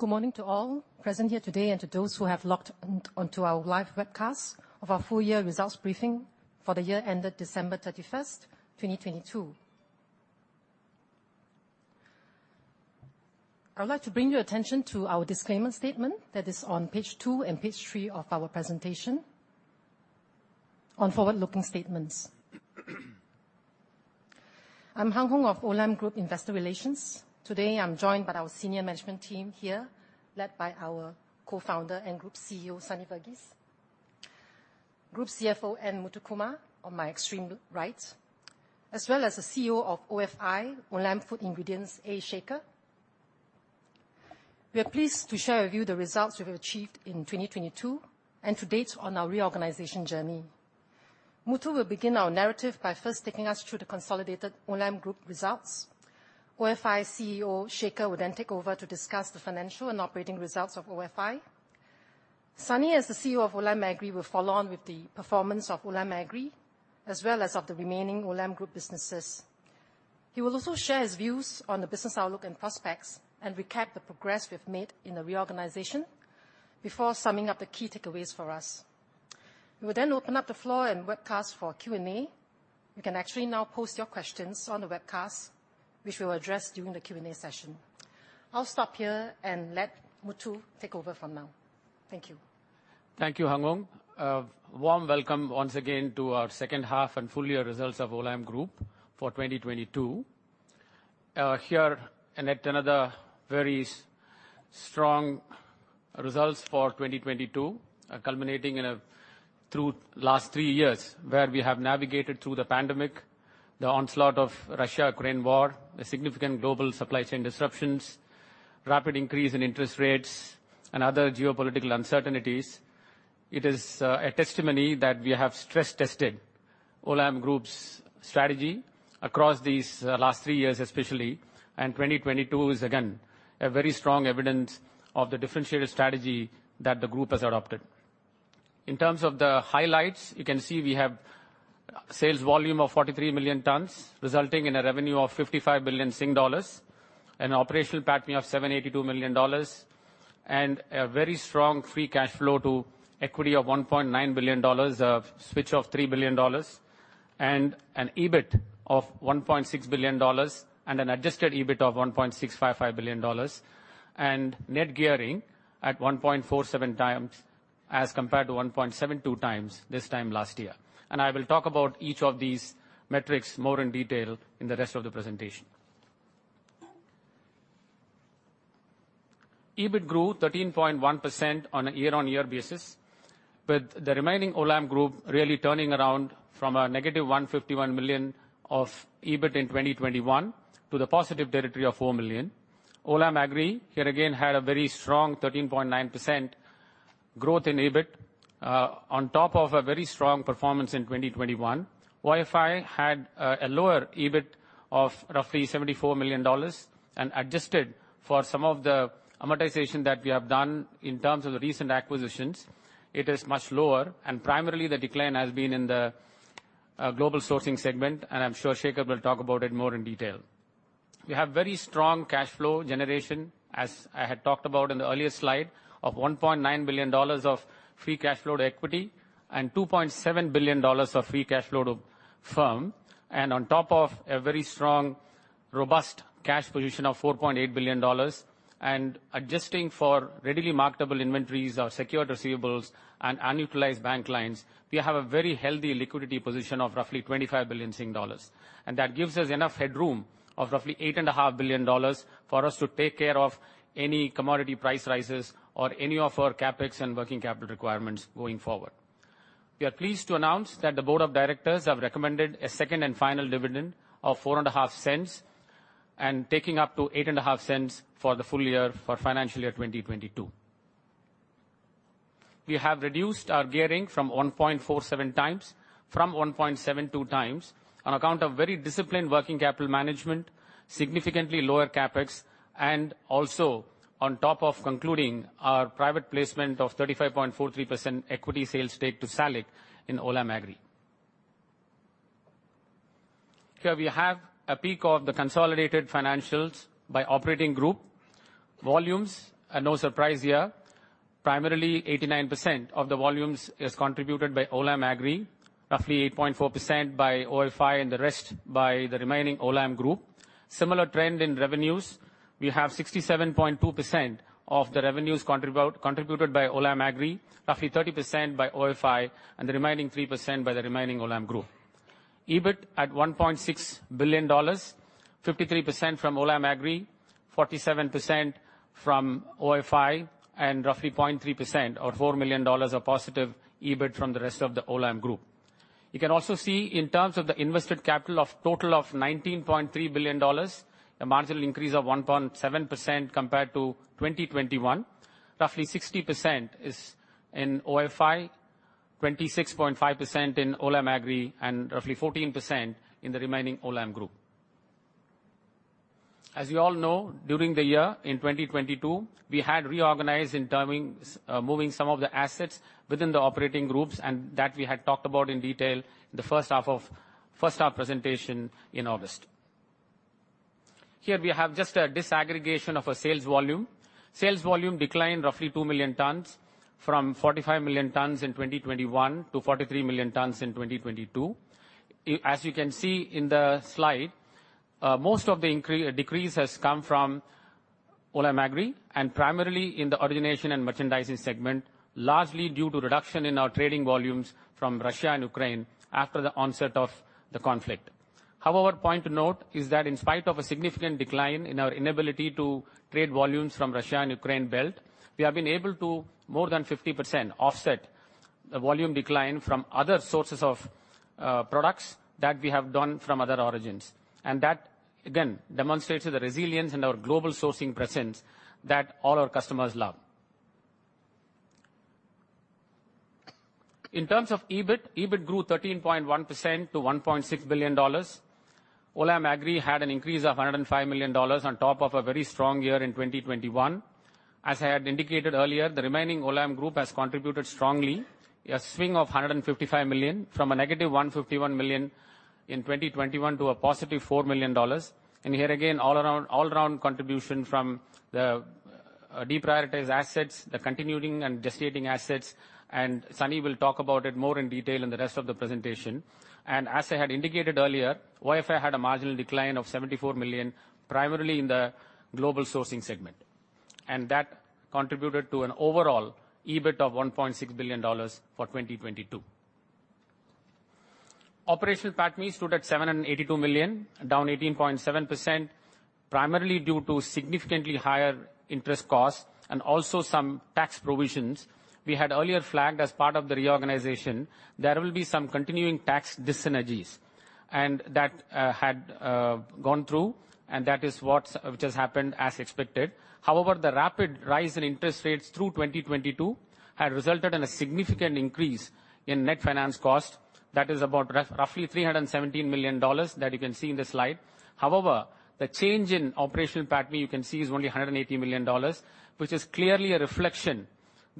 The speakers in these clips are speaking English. Good morning to all present here today and to those who have logged onto our live webcast of our full year results briefing for the year ended December 31st, 2022. I would like to bring your attention to our disclaimer statement that is on page two and page three of our presentation on forward-looking statements. I'm Hang Hoeng of Olam Group Investor Relations. Today, I'm joined by our senior management team here, led by our Co-Founder and Group CEO, Sunny Verghese. Group CFO, N Muthukumar, on my extreme right, as well as the CEO of ofi, Olam Food Ingredients, A. Shekhar. We are pleased to share with you the results we have achieved in 2022 and to date on our reorganization journey. Muthu will begin our narrative by first taking us through the consolidated Olam Group results. ofi CEO, Shekhar, will then take over to discuss the financial and operating results of ofi. Sunny, as the CEO of Olam Agri, will follow on with the performance of Olam Agri, as well as of the remaining Olam Group businesses. He will also share his views on the business outlook and prospects, and recap the progress we've made in the reorganization before summing up the key takeaways for us. We will then open up the floor and webcast for Q&A. You can actually now post your questions on the webcast, which we will address during the Q&A session. I'll stop here and let Muthu take over from now. Thank you. Thank you, Hung Hoeng. A warm welcome once again to our second half and full year results of Olam Group for 2022. here and yet another very strong results for 2022, culminating in a two last three years where we have navigated through the pandemic, the onslaught of Russia-Ukraine war, the significant global supply chain disruptions, rapid increase in interest rates and other geopolitical uncertainties. It is a testimony that we have stress-tested Olam Group's strategy across these last three years, especially, and 2022 is again a very strong evidence of the differentiated strategy that the group has adopted. In terms of the highlights, you can see we have sales volume of 43 million tons, resulting in a revenue of 55 billion Sing dollars, an operational PATMI of $782 million, and a very strong free cash flow to equity of 1.9 billion dollars of switch of 3 billion dollars, and an EBIT of 1.6 billion dollars and an adjusted EBIT of 1.655 billion dollars, and net gearing at 1.47x as compared to 1.72x this time last year. I will talk about each of these metrics more in detail in the rest of the presentation. EBIT grew 13.1% on a year-on-year basis, with the remaining Olam Group really turning around from a -151 million of EBIT in 2021 to the positive territory of 4 million. Olam Agri, here again, had a very strong 13.9% growth in EBIT on top of a very strong performance in 2021. ofi had a lower EBIT of roughly $74 million and adjusted for some of the amortization that we have done in terms of the recent acquisitions. It is much lower, and primarily the decline has been in the global sourcing segment, and I'm sure Shekhar will talk about it more in detail. We have very strong cash flow generation, as I had talked about in the earlier slide, of $1.9 billion of free cash flow to equity and $2.7 billion of free cash flow to firm. On top of a very strong, robust cash position of 4.8 billion dollars, and adjusting for readily marketable inventories or secured receivables and unutilized bank lines, we have a very healthy liquidity position of roughly 25 billion Sing dollars. That gives us enough headroom of roughly 8.5 billion dollars for us to take care of any commodity price rises or any of our CapEx and working capital requirements going forward. We are pleased to announce that the board of directors have recommended a second and final dividend of 0.045, and taking up to 0.085 for the full year for financial year 2022. We have reduced our gearing from 1.47x from 1.72x on account of very disciplined working capital management, significantly lower CapEx, and also on top of concluding our private placement of 35.43% equity sales take to SALIC in Olam Agri. Here we have a peak of the consolidated financials by operating group. Volumes, and no surprise here, primarily 89% of the volumes is contributed by Olam Agri, roughly 8.4% by ofi and the rest by the remaining Olam Group. Similar trend in revenues. We have 67.2% of the revenues contributed by Olam Agri, roughly 30% by ofi, and the remaining 3% by the remaining Olam Group. EBIT at $1.6 billion, 53% from Olam Agri, 47% from ofi, and roughly 0.3% or $4 million of positive EBIT from the rest of the Olam Group. You can also see in terms of the invested capital of total of $19.3 billion, a marginal increase of 1.7% compared to 2021. Roughly 60% is in ofi, 26.5% in Olam Agri, and roughly 14% in the remaining Olam Group. As you all know, during the year in 2022, we had reorganized moving some of the assets within the operating groups, and that we had talked about in detail in the first half presentation in August. Here we have just a disaggregation of our sales volume. Sales volume declined roughly 2 million tons from 45 million tons in 2021 to 43 million tons in 2022. As you can see in the slide, most of the decrease has come from Olam Agri and primarily in the origination and merchandising segment, largely due to reduction in our trading volumes from Russia and Ukraine after the onset of the conflict. Point to note is that in spite of a significant decline in our inability to trade volumes from Russia and Ukraine belt, we have been able to more than 50% offset the volume decline from other sources of products that we have gotten from other origins. That, again, demonstrates the resilience in our global sourcing presence that all our customers love. In terms of EBIT grew 13.1% to $1.6 billion. Olam Agri had an increase of $105 million on top of a very strong year in 2021. As I had indicated earlier, the remaining Olam Group has contributed strongly, a swing of $155 million from a -$151 million in 2021 to a +$4 million. Here again, all around contribution from the deprioritized assets, the continuing and gestating assets. Sunny will talk about it more in detail in the rest of the presentation. As I had indicated earlier, ofi had a marginal decline of $74 million, primarily in the global sourcing segment. That contributed to an overall EBIT of $1.6 billion for 2022. Operational PATMI stood at $782 million, down 18.7%, primarily due to significantly higher interest costs and also some tax provisions we had earlier flagged as part of the reorganization. There will be some continuing tax dyssynergies, that had gone through, which has happened as expected. The rapid rise in interest rates through 2022 had resulted in a significant increase in net finance cost that is about roughly $317 million that you can see in the slide. The change in operational PATMI you can see is only $180 million, which is clearly a reflection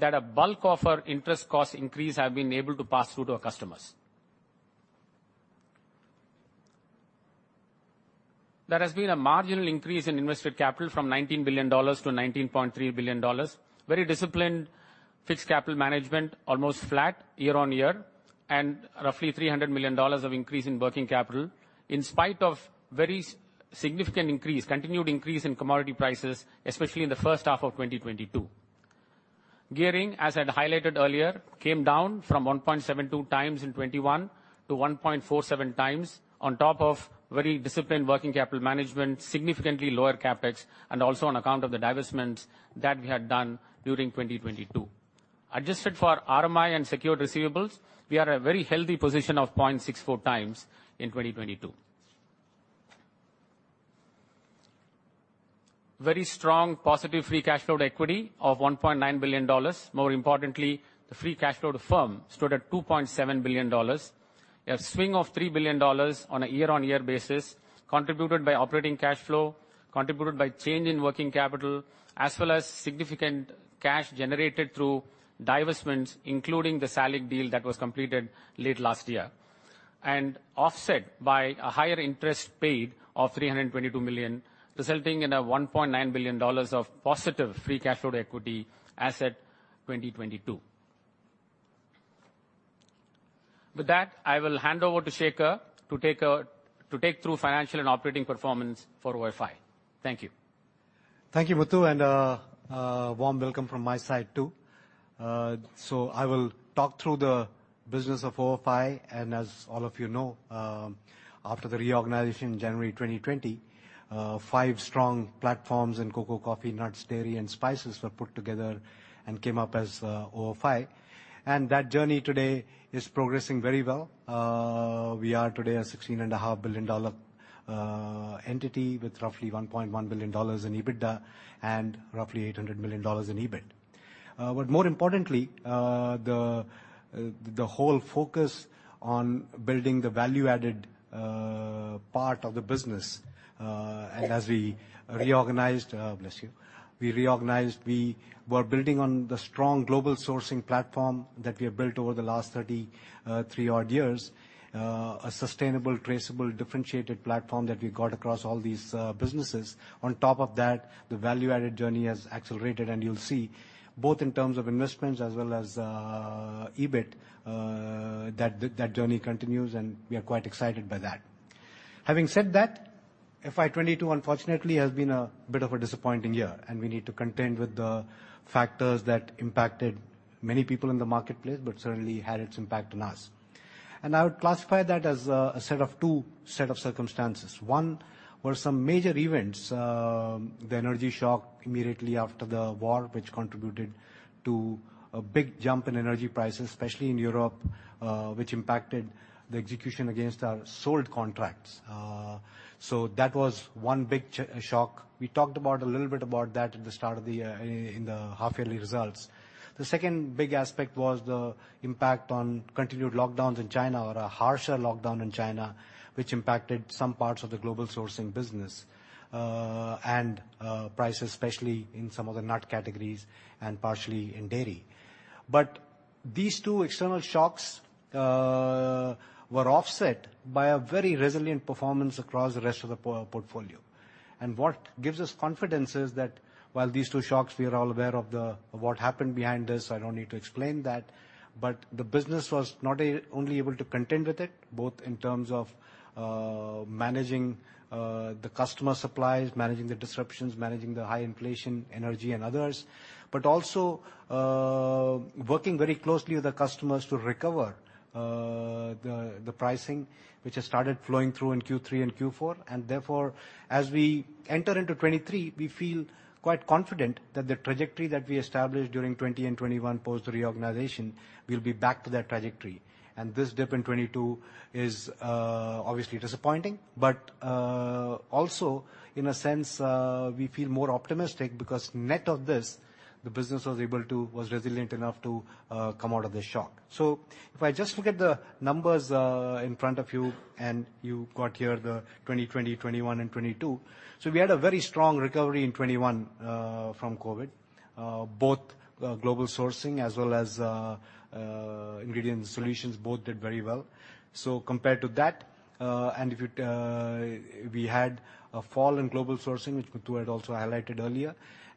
that a bulk of our interest cost increase have been able to pass through to our customers. There has been a marginal increase in invested capital from $19 billion to $19.3 billion. Very disciplined fixed capital management, almost flat year-over-year, and roughly $300 million of increase in working capital, in spite of very significant increase, continued increase in commodity prices, especially in the first half of 2022. Gearing, as I'd highlighted earlier, came down from 1.72x in 2021 to 1.47x on top of very disciplined working capital management, significantly lower CapEx, and also on account of the divestments that we had done during 2022. Adjusted for RMI and secured receivables, we are at a very healthy position of 0.64x in 2022. Very strong positive free cash flow to equity of $1.9 billion. The free cash flow to firm stood at $2.7 billion. A swing of $3 billion on a year-over-year basis, contributed by operating cash flow, contributed by change in working capital, as well as significant cash generated through divestments, including the SALIC deal that was completed late last year. Offset by a higher interest paid of $322 million, resulting in $1.9 billion of positive free cash flow to equity as at 2022. With that, I will hand over to Shekhar to take through financial and operating performance for ofi. Thank you. Thank you, Muthu, a warm welcome from my side too. I will talk through the business of ofi, as all of you know, after the reorganization in January 2020, five strong platforms in cocoa, coffee, nuts, dairy, and spices were put together and came up as ofi. That journey today is progressing very well. We are today a $16.5 billion entity with roughly $1.1 billion in EBITDA and roughly $800 million in EBIT. More importantly, the whole focus on building the value-added part of the business, as we reorganized, we were building on the strong global sourcing platform that we have built over the last 33 odd years. A sustainable, traceable, differentiated platform that we got across all these businesses. On top of that, the value-added journey has accelerated, and you'll see both in terms of investments as well as EBIT, that journey continues, and we are quite excited by that. Having said that, FY 2022 unfortunately has been a bit of a disappointing year, and we need to contend with the factors that impacted many people in the marketplace, but certainly had its impact on us. I would classify that as a set of two circumstances. One were some major events, the energy shock immediately after the war, which contributed to a big jump in energy prices, especially in Europe, which impacted the execution against our sold contracts. That was one big shock. We talked about, a little bit about that at the start of the in the half-yearly results. The second big aspect was the impact on continued lockdowns in China or a harsher lockdown in China, which impacted some parts of the global sourcing business, and prices especially in some of the nut categories and partially in dairy. These two external shocks were offset by a very resilient performance across the rest of the portfolio. What gives us confidence is that while these two shocks, we are all aware of the what happened behind this, I don't need to explain that. The business was not only able to contend with it, both in terms of managing the customer supplies, managing the disruptions, managing the high inflation, energy and others, but also working very closely with the customers to recover the pricing which has started flowing through in Q3 and Q4. Therefore, as we enter into 2023, we feel quite confident that the trajectory that we established during 2020 and 2021 post reorganization we'll be back to that trajectory. This dip in 2022 is obviously disappointing, but also in a sense, we feel more optimistic because net of this, the business was resilient enough to come out of the shock. If I just look at the numbers in front of you and you got here the 2020, 2021 and 2022. We had a very strong recovery in 2021 from COVID, both global sourcing as well as ingredient solutions both did very well. Compared to that, and if it, we had a fall in global sourcing, which Muthu had also highlighted earlier.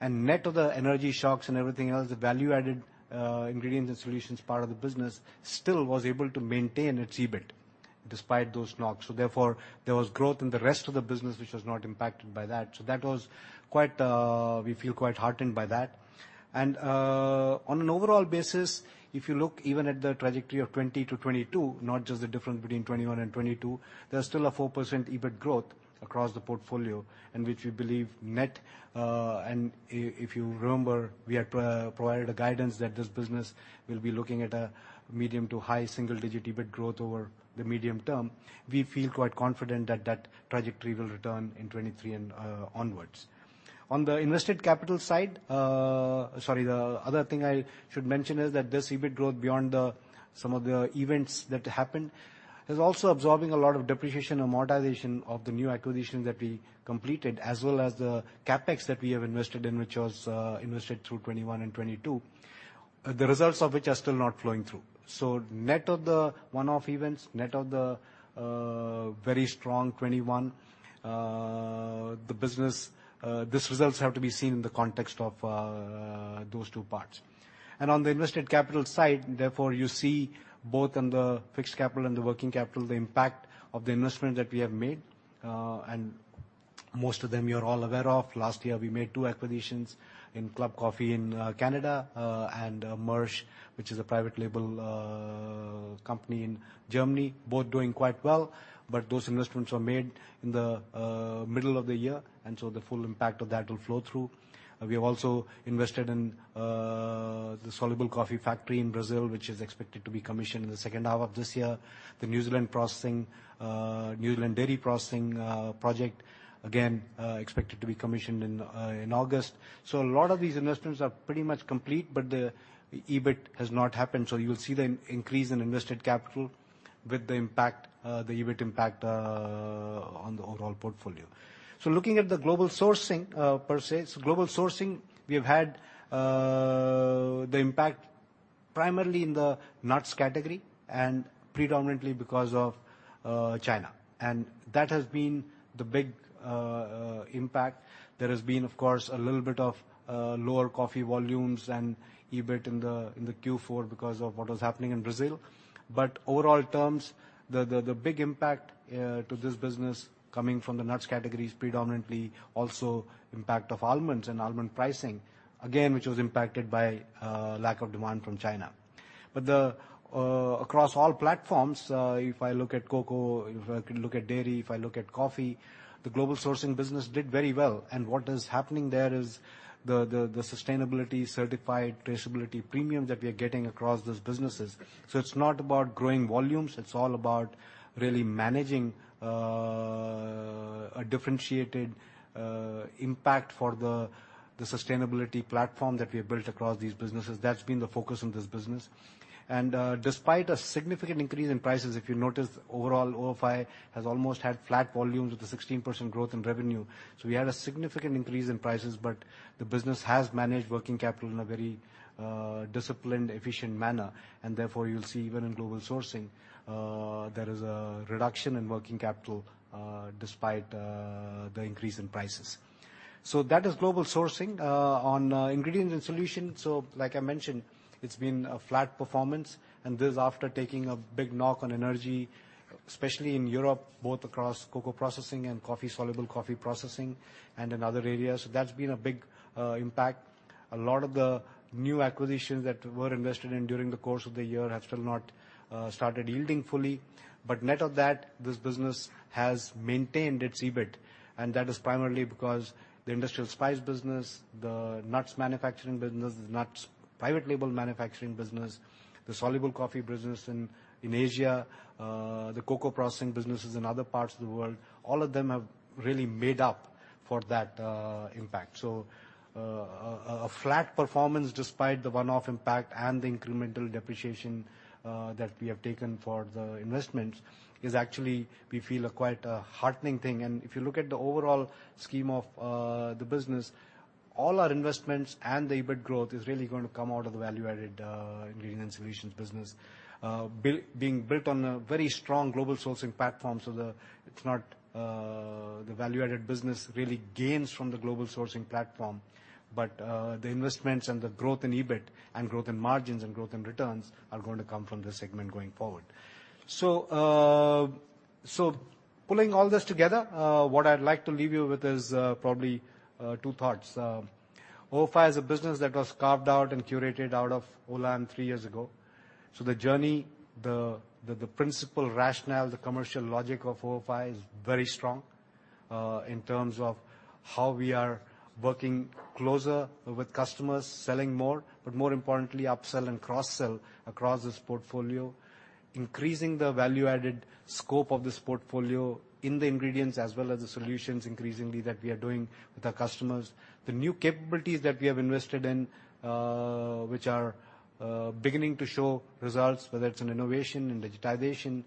Net of the energy shocks and everything else, the value-added ingredients and solutions part of the business still was able to maintain its EBIT despite those knocks. Therefore, there was growth in the rest of the business which was not impacted by that. That was quite, we feel quite heartened by that. On an overall basis, if you look even at the trajectory of 2020 to 2022, not just the difference between 2021 and 2022, there's still a 4% EBIT growth across the portfolio, and which we believe net. If you remember, we had provided a guidance that this business will be looking at a medium to high single-digit EBIT growth over the medium term. We feel quite confident that that trajectory will return in 2023 and onwards. On the invested capital side, sorry, the other thing I should mention is that this EBIT growth beyond some of the events that happened is also absorbing a lot of depreciation amortization of the new acquisitions that we completed, as well as the CapEx that we have invested in, which was invested through 2021 and 2022. The results of which are still not flowing through. Net of the one-off events, net of the very strong 2021, the business, this results have to be seen in the context of those two parts. On the invested capital side, therefore, you see both on the fixed capital and the working capital, the impact of the investment that we have made, and most of them you're all aware of. Last year we made two acquisitions in Club Coffee in Canada, and Märsch, which is a private label company in Germany, both doing quite well. Those investments were made in the middle of the year, and so the full impact of that will flow through. We have also invested in the soluble coffee factory in Brazil, which is expected to be commissioned in the second half of this year. The New Zealand processing, New Zealand dairy processing project again, expected to be commissioned in August. A lot of these investments are pretty much complete, but the EBIT has not happened. You'll see the increase in invested capital with the impact, the EBIT impact, on the overall portfolio. Looking at the global sourcing per se. Global sourcing we have had the impact primarily in the nuts category and predominantly because of China. That has been the big impact. There has been, of course, a little bit of lower coffee volumes and EBIT in the Q4 because of what was happening in Brazil. Overall terms, the big impact to this business coming from the nuts category is predominantly also impact of almonds and almond pricing, again, which was impacted by lack of demand from China. The across all platforms, if I look at cocoa, if I look at dairy, if I look at coffee, the global sourcing business did very well. What is happening there is the sustainability certified traceability premium that we are getting across those businesses. It's not about growing volumes, it's all about really managing a differentiated impact for the sustainability platform that we have built across these businesses. That's been the focus of this business. Despite a significant increase in prices, if you notice overall, ofi has almost had flat volumes with a 16% growth in revenue. We had a significant increase in prices, but the business has managed working capital in a very disciplined, efficient manner. Therefore, you'll see even in global sourcing, there is a reduction in working capital despite the increase in prices. That is global sourcing. On ingredients and solutions, like I mentioned, it's been a flat performance, and this is after taking a big knock on energy, especially in Europe, both across cocoa processing and coffee soluble coffee processing and in other areas. That's been a big impact. A lot of the new acquisitions that were invested in during the course of the year have still not started yielding fully. Net of that, this business has maintained its EBIT, and that is primarily because the industrial spice business, the nuts manufacturing business, the nuts private label manufacturing business, the soluble coffee business in Asia, the cocoa processing businesses in other parts of the world, all of them have really made up for that impact. A flat performance despite the one-off impact and the incremental depreciation that we have taken for the investments is actually we feel quite a heartening thing. If you look at the overall scheme of the business, all our investments and the EBIT growth is really gonna come out of the value-added ingredients and solutions business. Being built on a very strong global sourcing platform. The value-added business really gains from the global sourcing platform, but the investments and the growth in EBIT and growth in margins and growth in returns are going to come from this segment going forward. Pulling all this together, what I'd like to leave you with is probably two thoughts. ofi is a business that was carved out and curated out of Olam three years ago. The journey, the principle rationale, the commercial logic of ofi is very strong in terms of how we are working closer with customers, selling more. More importantly, upsell and cross-sell across this portfolio. Increasing the value-added scope of this portfolio in the ingredients as well as the solutions increasingly that we are doing with our customers. The new capabilities that we have invested in, which are beginning to show results, whether it's in innovation, in digitization,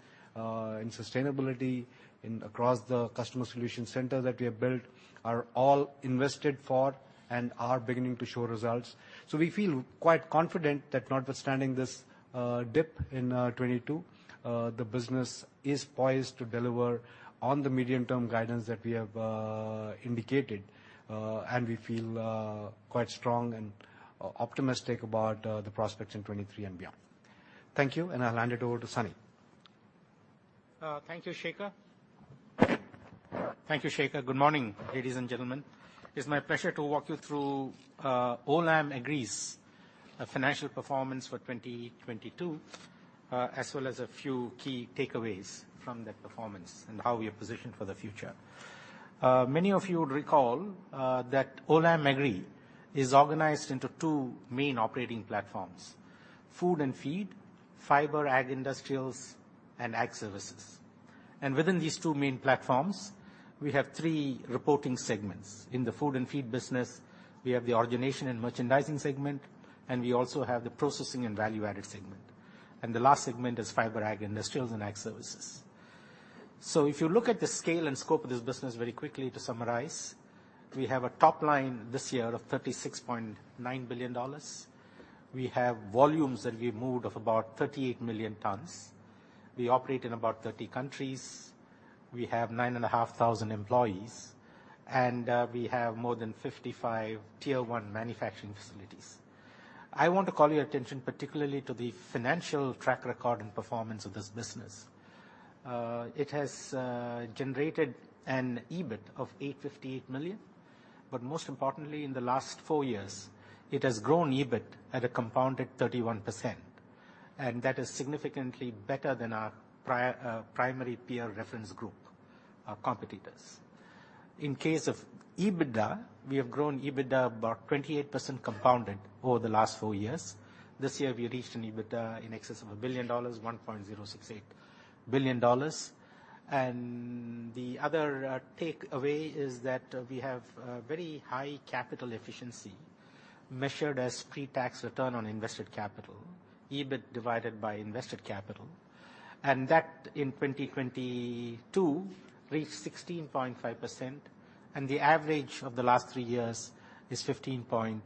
in sustainability, in across the customer solution center that we have built, are all invested for and are beginning to show results. We feel quite confident that notwithstanding this, dip in 2022, the business is poised to deliver on the medium-term guidance that we have indicated. We feel quite strong and optimistic about the prospects in 2023 and beyond. Thank you, and I'll hand it over to Sunny. Thank you, Shekhar. Thank you, Shekhar. Good morning, ladies and gentlemen. It's my pleasure to walk you through Olam Agri's financial performance for 2022, as well as a few key takeaways from that performance and how we are positioned for the future. Many of you would recall that Olam Agri is organized into two main operating platforms: Food and Feed, Fiber, Ag Industrials and Ag Services. Within these two main platforms, we have three reporting segments. In the Food and Feed business, we have the origination and merchandising segment, and we also have the processing and value-added segment. The last segment is Fiber, Ag Industrial and Ag Services. If you look at the scale and scope of this business very quickly to summarize, we have a top line this year of $36.9 billion. We have volumes that we moved of about 38 million tons. We operate in about 30 countries. We have 9,500 employees, and we have more than 55 Tier One manufacturing facilities. I want to call your attention particularly to the financial track record and performance of this business. It has generated an EBIT of $858 million. Most importantly, in the last four years, it has grown EBIT at a compounded 31%, and that is significantly better than our primary peer reference group, our competitors. In case of EBITDA, we have grown EBITDA about 28% compounded over the last four years. This year we reached an EBITDA in excess of $1 billion, $1.068 billion. The other takeaway is that we have a very high capital efficiency measured as pre-tax return on invested capital, EBIT divided by invested capital. That in 2022 reached 16.5%, and the average of the last three years is 15.5%.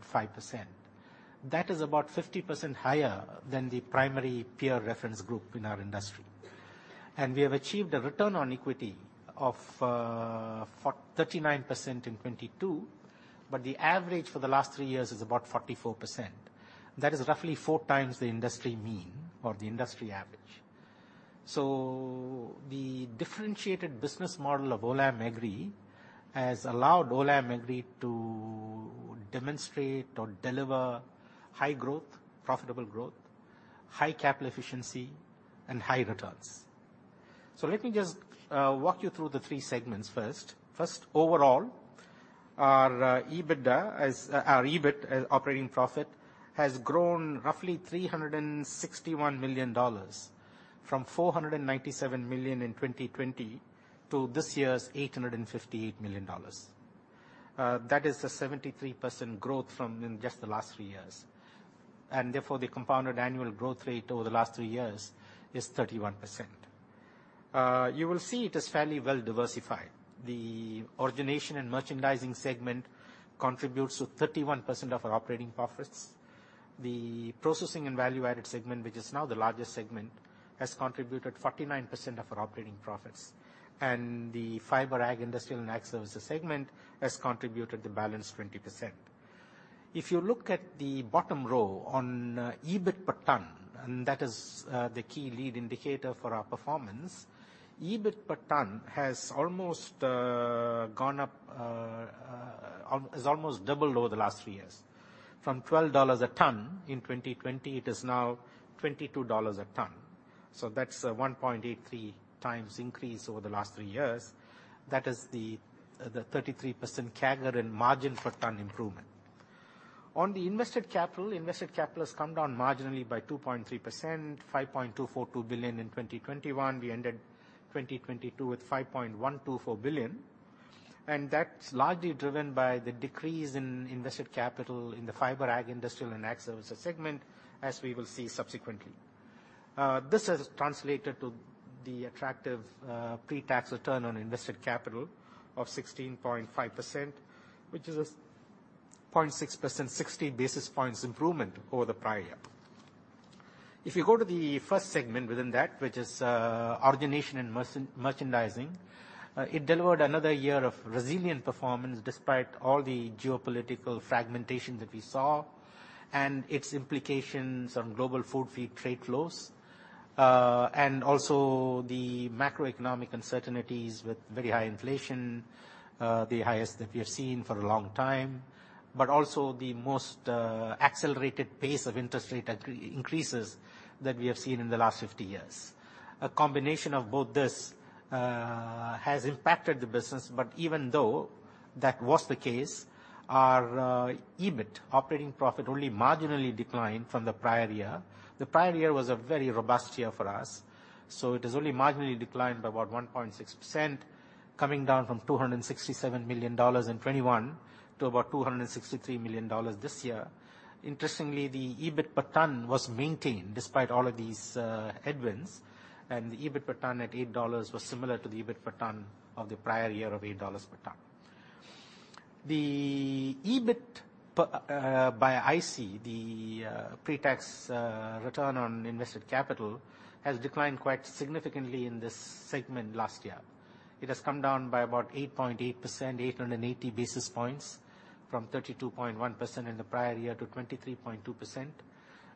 That is about 50% higher than the primary peer reference group in our industry. We have achieved a return on equity of 39% in 2022, but the average for the last three years is about 44%. That is roughly 4x the industry mean or the industry average. The differentiated business model of Olam Agri has allowed Olam Agri to demonstrate or deliver high growth, profitable growth, high capital efficiency, and high returns. Let me just walk you through the three segments first. First, overall, our EBITDA as... our EBIT, operating profit, has grown roughly $361 million from $497 million in 2020 to this year's $858 million. That is a 73% growth from in just the last three years. Therefore, the compounded annual growth rate over the last three years is 31%. You will see it is fairly well-diversified. The origination and merchandising segment contributes to 31% of our operating profits. The processing and value-added segment, which is now the largest segment, has contributed 49% of our operating profits. The Fiber, Ag Industrial and Ag Services segment has contributed the balance 20%. If you look at the bottom row on, EBIT per ton, that is the key lead indicator for our performance. EBIT per ton has almost gone up almost doubled over the last three years. From $12 a ton in 2020, it is now $22 a ton. That's 1.83x increase over the last three years. That is the 33% CAGR and margin for ton improvement. On the invested capital, invested capital has come down marginally by 2.3%, $5.242 billion in 2021. We ended 2022 with $5.124 billion, that's largely driven by the decrease in invested capital in the fiber ag industrial and ag services segment, as we will see subsequently. This has translated to the attractive pre-tax return on invested capital of 16.5%, which is a 0.6%, 60 basis points improvement over the prior year. If you go to the first segment within that, which is origination and merchandising, it delivered another year of resilient performance despite all the geopolitical fragmentation that we saw and its implications on global food feed trade flows, and also the macroeconomic uncertainties with very high inflation, the highest that we have seen for a long time, but also the most accelerated pace of interest rate increases that we have seen in the last 50 years. A combination of both this has impacted the business, but even though that was the case, our EBIT operating profit only marginally declined from the prior year. The prior year was a very robust year for us. It has only marginally declined by about 1.6%, coming down from $267 million in 2021 to about $263 million this year. Interestingly, the EBIT per ton was maintained despite all of these headwinds, and the EBIT per ton at $8 was similar to the EBIT per ton of the prior year of $8 per ton. The EBIT per by IC, the pre-tax return on invested capital, has declined quite significantly in this segment last year. It has come down by about 8.8%, 880 basis points from 32.1% in the prior year to 23.2%.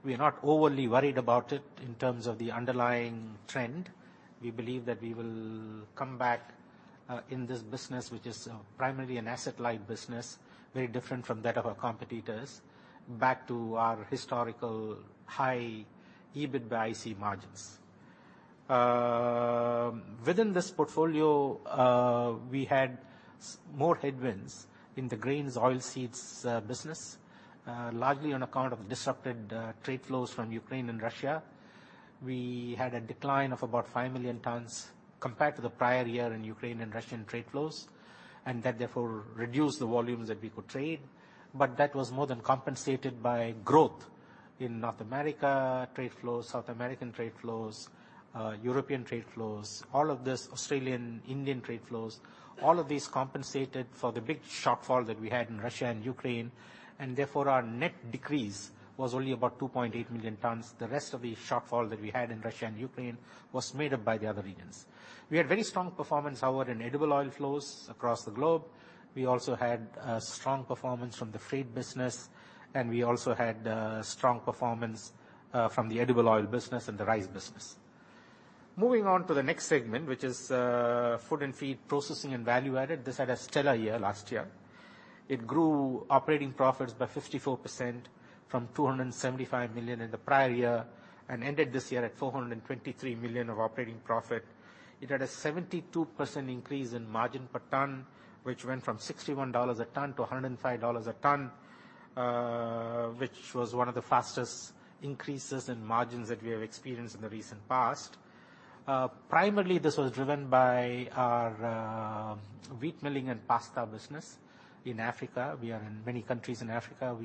We are not overly worried about it in terms of the underlying trend. We believe that we will come back in this business, which is primarily an asset-light business, very different from that of our competitors, back to our historical high EBIT/IC margins. Within this portfolio, we had more headwinds in the grains oilseeds business, largely on account of disrupted trade flows from Ukraine and Russia. We had a decline of about 5 million tons compared to the prior year in Ukraine and Russian trade flows, and that therefore reduced the volumes that we could trade. That was more than compensated by growth in North America trade flows, South American trade flows, European trade flows, all of this Australian, Indian trade flows. All of these compensated for the big shortfall that we had in Russia and Ukraine, and therefore our net decrease was only about 2.8 million tons. The rest of the shortfall that we had in Russia and Ukraine was made up by the other regions. We had very strong performance, however, in edible oil flows across the globe. We also had strong performance from the freight business, and we also had strong performance from the edible oil business and the rice business. Moving on to the next segment, which is food and feed processing and value-added. This had a stellar year last year. It grew operating profits by 54% from 275 million in the prior year and ended this year at 423 million of operating profit. It had a 72% increase in margin per ton, which went from $61 a ton to $105 a ton, which was one of the fastest increases in margins that we have experienced in the recent past. Primarily this was driven by our wheat milling and pasta business in Africa. We are in many countries in Africa.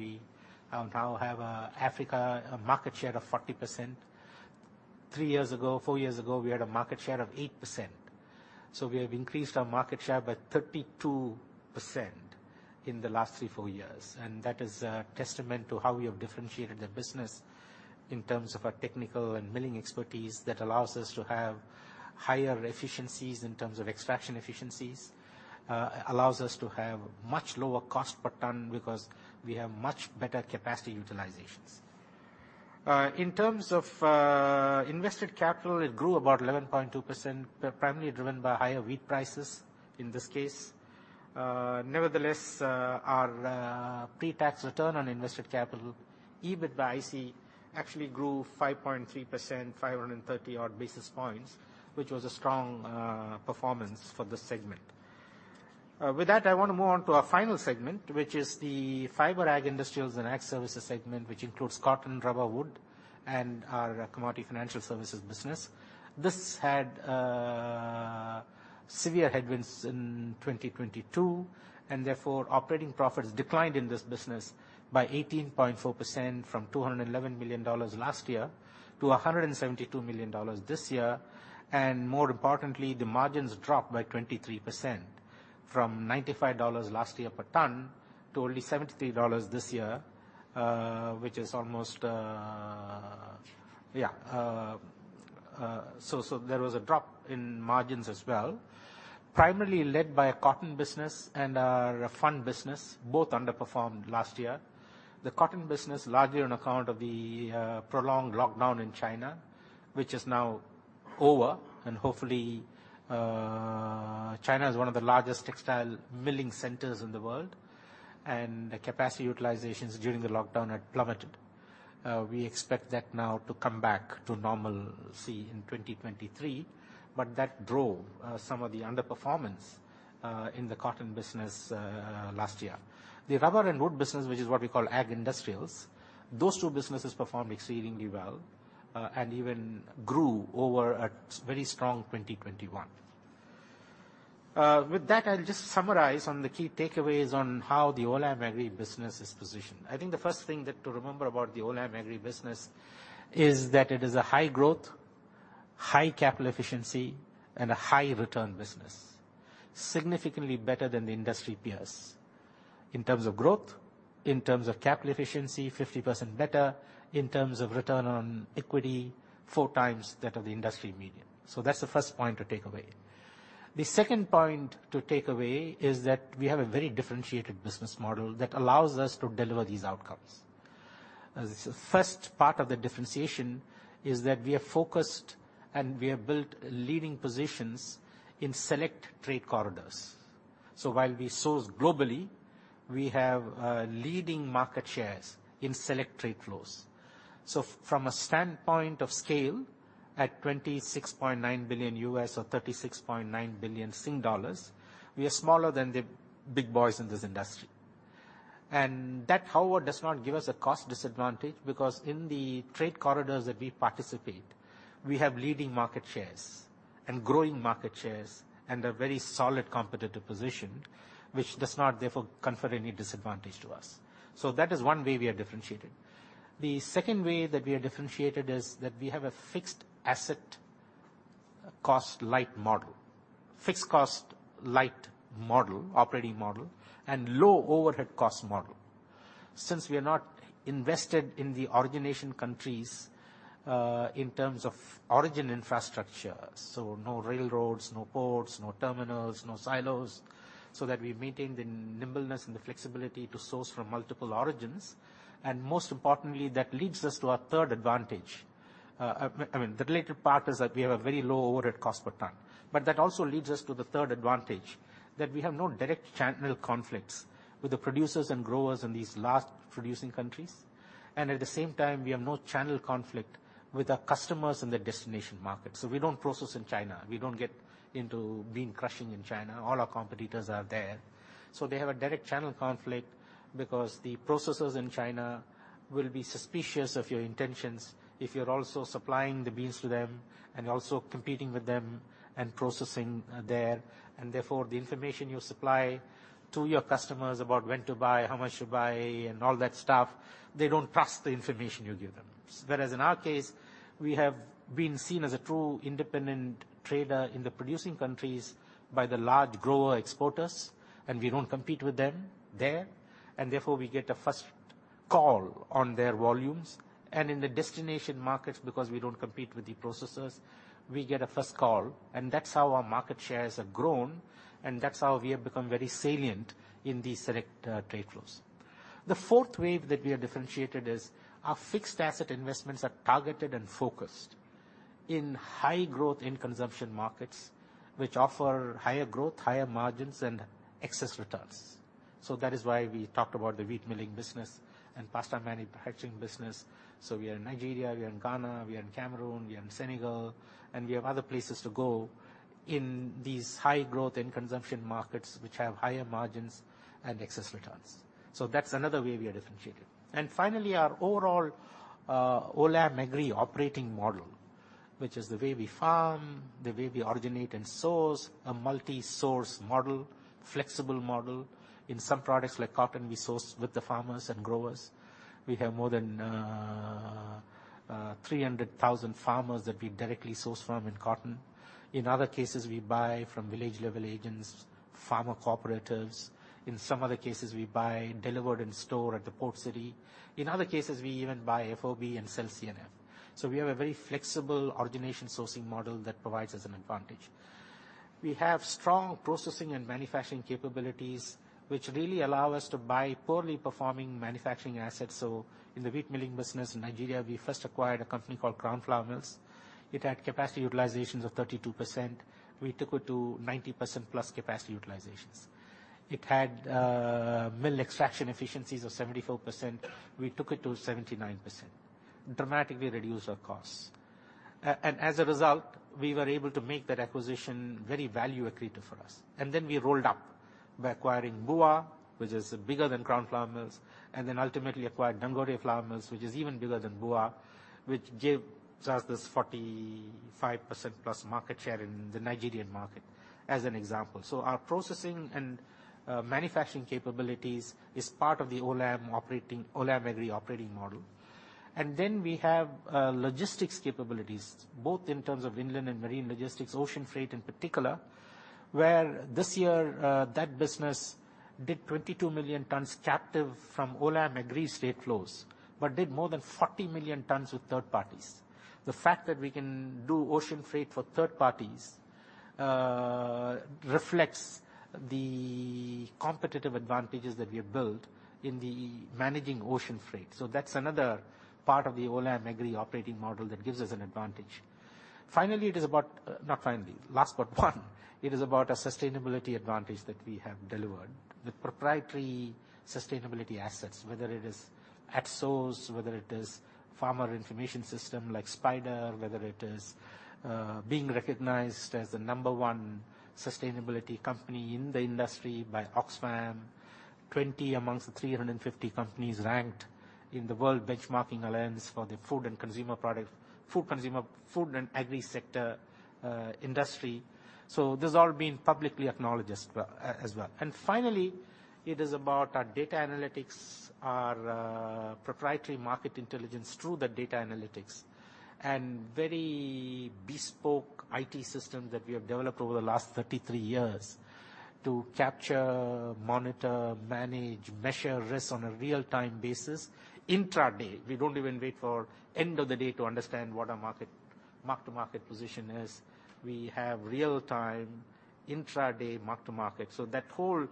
We now have an Africa market share of 40%. three years ago, four years ago, we had a market share of 8%. We have increased our market share by 32% in the last three, four years. That is a testament to how we have differentiated the business in terms of our technical and milling expertise that allows us to have higher efficiencies in terms of extraction efficiencies, allows us to have much lower cost per ton because we have much better capacity utilizations. In terms of invested capital, it grew about 11.2%, primarily driven by higher wheat prices in this case. Nevertheless, our pre-tax return on invested capital, EBIT by IC, actually grew 5.3%, 530 odd basis points, which was a strong performance for this segment. With that, I want to move on to our final segment, which is the fiber ag industries and ag services segment, which includes cotton, rubber, wood, and our commodity financial services business. This had severe headwinds in 2022. Therefore, operating profits declined in this business by 18.4% from $211 million last year to $172 million this year. More importantly, the margins dropped by 23% from $95 last year per ton to only $73 this year, which is almost. Yeah, so there was a drop in margins as well, primarily led by our cotton business and our fund business, both underperformed last year. The cotton business, largely on account of the prolonged lockdown in China, which is now over, and hopefully. China is one of the largest textile milling centers in the world, and the capacity utilizations during the lockdown had plummeted. We expect that now to come back to normalcy in 2023. That drove some of the underperformance in the cotton business last year. The rubber and wood business, which is what we call ag industrials, those two businesses performed exceedingly well and even grew over a very strong 2021. With that, I'll just summarize on the key takeaways on how the Olam Agri business is positioned. I think the first thing that to remember about the Olam Agri business is that it is a high growth, high capital efficiency, and a high return business. Significantly better than the industry peers in terms of growth, in terms of capital efficiency, 50% better, in terms of return on equity, 4x that of the industry median. That's the first point to take away. The second point to take away is that we have a very differentiated business model that allows us to deliver these outcomes. The first part of the differentiation is that we are focused, and we have built leading positions in select trade corridors. While we source globally, we have leading market shares in select trade flows. From a standpoint of scale, at $26.9 billion or 36.9 billion Sing dollars, we are smaller than the big boys in this industry. That, however, does not give us a cost disadvantage because in the trade corridors that we participate, we have leading market shares and growing market shares and a very solid competitive position, which does not therefore confer any disadvantage to us. That is one way we are differentiated. The second way that we are differentiated is that we have a fixed asset cost light model. Fixed cost light model, operating model, and low overhead cost model. Since we are not invested in the origination countries, in terms of origin infrastructure, no railroads, no ports, no terminals, no silos, that we maintain the nimbleness and the flexibility to source from multiple origins. Most importantly, that leads us to our third advantage. I mean, the related part is that we have a very low overhead cost per ton. That also leads us to the third advantage, that we have no direct channel conflicts with the producers and growers in these large producing countries. At the same time, we have no channel conflict with our customers in the destination market. We don't process in China, we don't get into bean crushing in China. All our competitors are there. They have a direct channel conflict because the processors in China will be suspicious of your intentions if you're also supplying the beans to them and also competing with them and processing there. Therefore, the information you supply to your customers about when to buy, how much to buy, and all that stuff, they don't trust the information you give them. Whereas in our case, we have been seen as a true independent trader in the producing countries by the large grower exporters, and we don't compete with them there. Therefore, we get a first call on their volumes. In the destination markets, because we don't compete with the processors, we get a first call. That's how our market shares have grown, and that's how we have become very salient in these select trade flows. The fourth way that we are differentiated is our fixed asset investments are targeted and focused in high growth in consumption markets, which offer higher growth, higher margins, and excess returns. That is why we talked about the wheat milling business and pasta manufacturing business. We are in Nigeria, we are in Ghana, we are in Cameroon, we are in Senegal, and we have other places to go in these high growth and consumption markets which have higher margins and excess returns. That's another way we are differentiated. Finally, our overall Olam Agri operating model, which is the way we farm, the way we originate and source, a multi-source model, flexible model. In some products like cotton, we source with the farmers and growers. We have more than 300,000 farmers that we directly source from in cotton. In other cases, we buy from village-level agents, farmer cooperatives. In some other cases, we buy delivered in store at the port city. In other cases, we even buy FOB and sell CNF. We have a very flexible origination sourcing model that provides us an advantage. We have strong processing and manufacturing capabilities which really allow us to buy poorly performing manufacturing assets. In the wheat milling business in Nigeria, we first acquired a company called Crown Flour Mills. It had capacity utilizations of 32%. We took it to 90%+ capacity utilizations. It had mill extraction efficiencies of 74%. We took it to 79%. Dramatically reduced our costs. And as a result, we were able to make that acquisition very value accretive for us. We rolled up by acquiring BUA, which is bigger than Crown Flour Mills, ultimately acquired Dangote Flour Mills, which is even bigger than BUA, which gives us this 45%+ market share in the Nigerian market as an example. Our processing and manufacturing capabilities is part of the Olam operating, Olam Agri operating model. We have logistics capabilities, both in terms of inland and marine logistics, ocean freight in particular, where this year, that business did 22 million tons captive from Olam Agri straight flows, but did more than 40 million tons with third parties. The fact that we can do ocean freight for third parties, reflects the competitive advantages that we have built in the managing ocean freight. That's another part of the Olam Agri operating model that gives us an advantage. Finally, it is about... Not finally. Last but one, it is about a sustainability advantage that we have delivered with proprietary sustainability assets, whether it is AtSource, whether it is farmer information system like SPIDER, whether it is being recognized as the number one sustainability company in the industry by Oxfam. 20 amongst the 350 companies ranked in the World Benchmarking Alliance for the food and consumer product. Food and agri sector industry. This has all been publicly acknowledged as well, as well. Finally, it is about our data analytics, our proprietary market intelligence through the data analytics and very bespoke IT system that we have developed over the last 33 years to capture, monitor, manage, measure risks on a real-time basis intraday. We don't even wait for end of the day to understand what our market, mark-to-market position is. We have real time intraday mark-to-market. That whole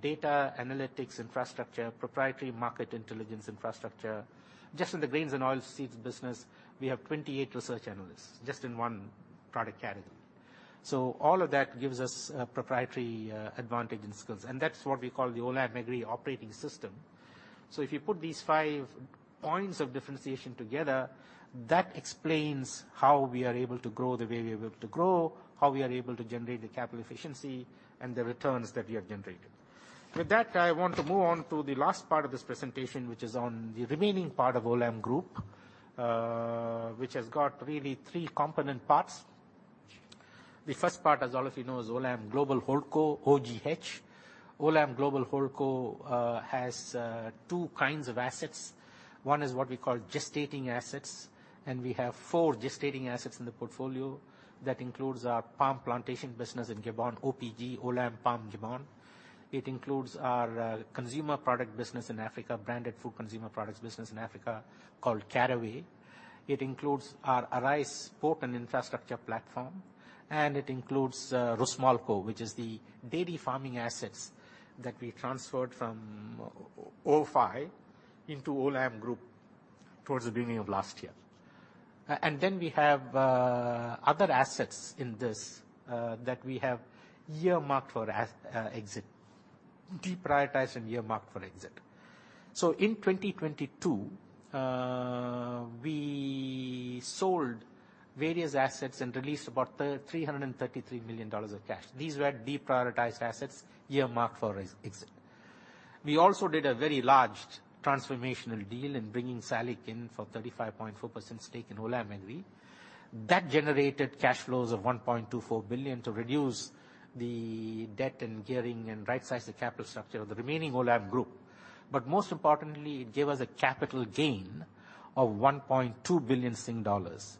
data analytics infrastructure, proprietary market intelligence infrastructure. Just in the grains and oilseeds business, we have 28 research analysts just in one product category. All of that gives us a proprietary advantage in skills, and that's what we call the Olam Agri operating system. If you put these five points of differentiation together, that explains how we are able to grow the way we are able to grow, how we are able to generate the capital efficiency and the returns that we have generated. With that, I want to move on to the last part of this presentation, which is on the remaining part of Olam Group, which has got really three component parts. The first part, as all of you know, is Olam Global Holdco, OGH. Olam Global Holdco has two kinds of assets. One is what we call gestating assets, and we have four gestating assets in the portfolio. That includes our palm plantation business in Gabon, OPG, Olam Palm Gabon. It includes our consumer product business in Africa, branded food consumer products business in Africa called Caraway. It includes our ARISE port and infrastructure platform, and it includes Rusmolco, which is the dairy farming assets that we transferred from ofi into Olam Group towards the beginning of last year. We have other assets in this that we have earmarked for exit. Deprioritized and earmarked for exit. In 2022, we sold various assets and released about $333 million of cash. These were deprioritized assets earmarked for exit. We also did a very large transformational deal in bringing SALIC in for 35.4% stake in Olam Agri. It generated cash flows of 1.24 billion to reduce the debt and gearing and right size the capital structure of the remaining Olam Group. Most importantly, it gave us a capital gain of 1.2 billion Sing dollars,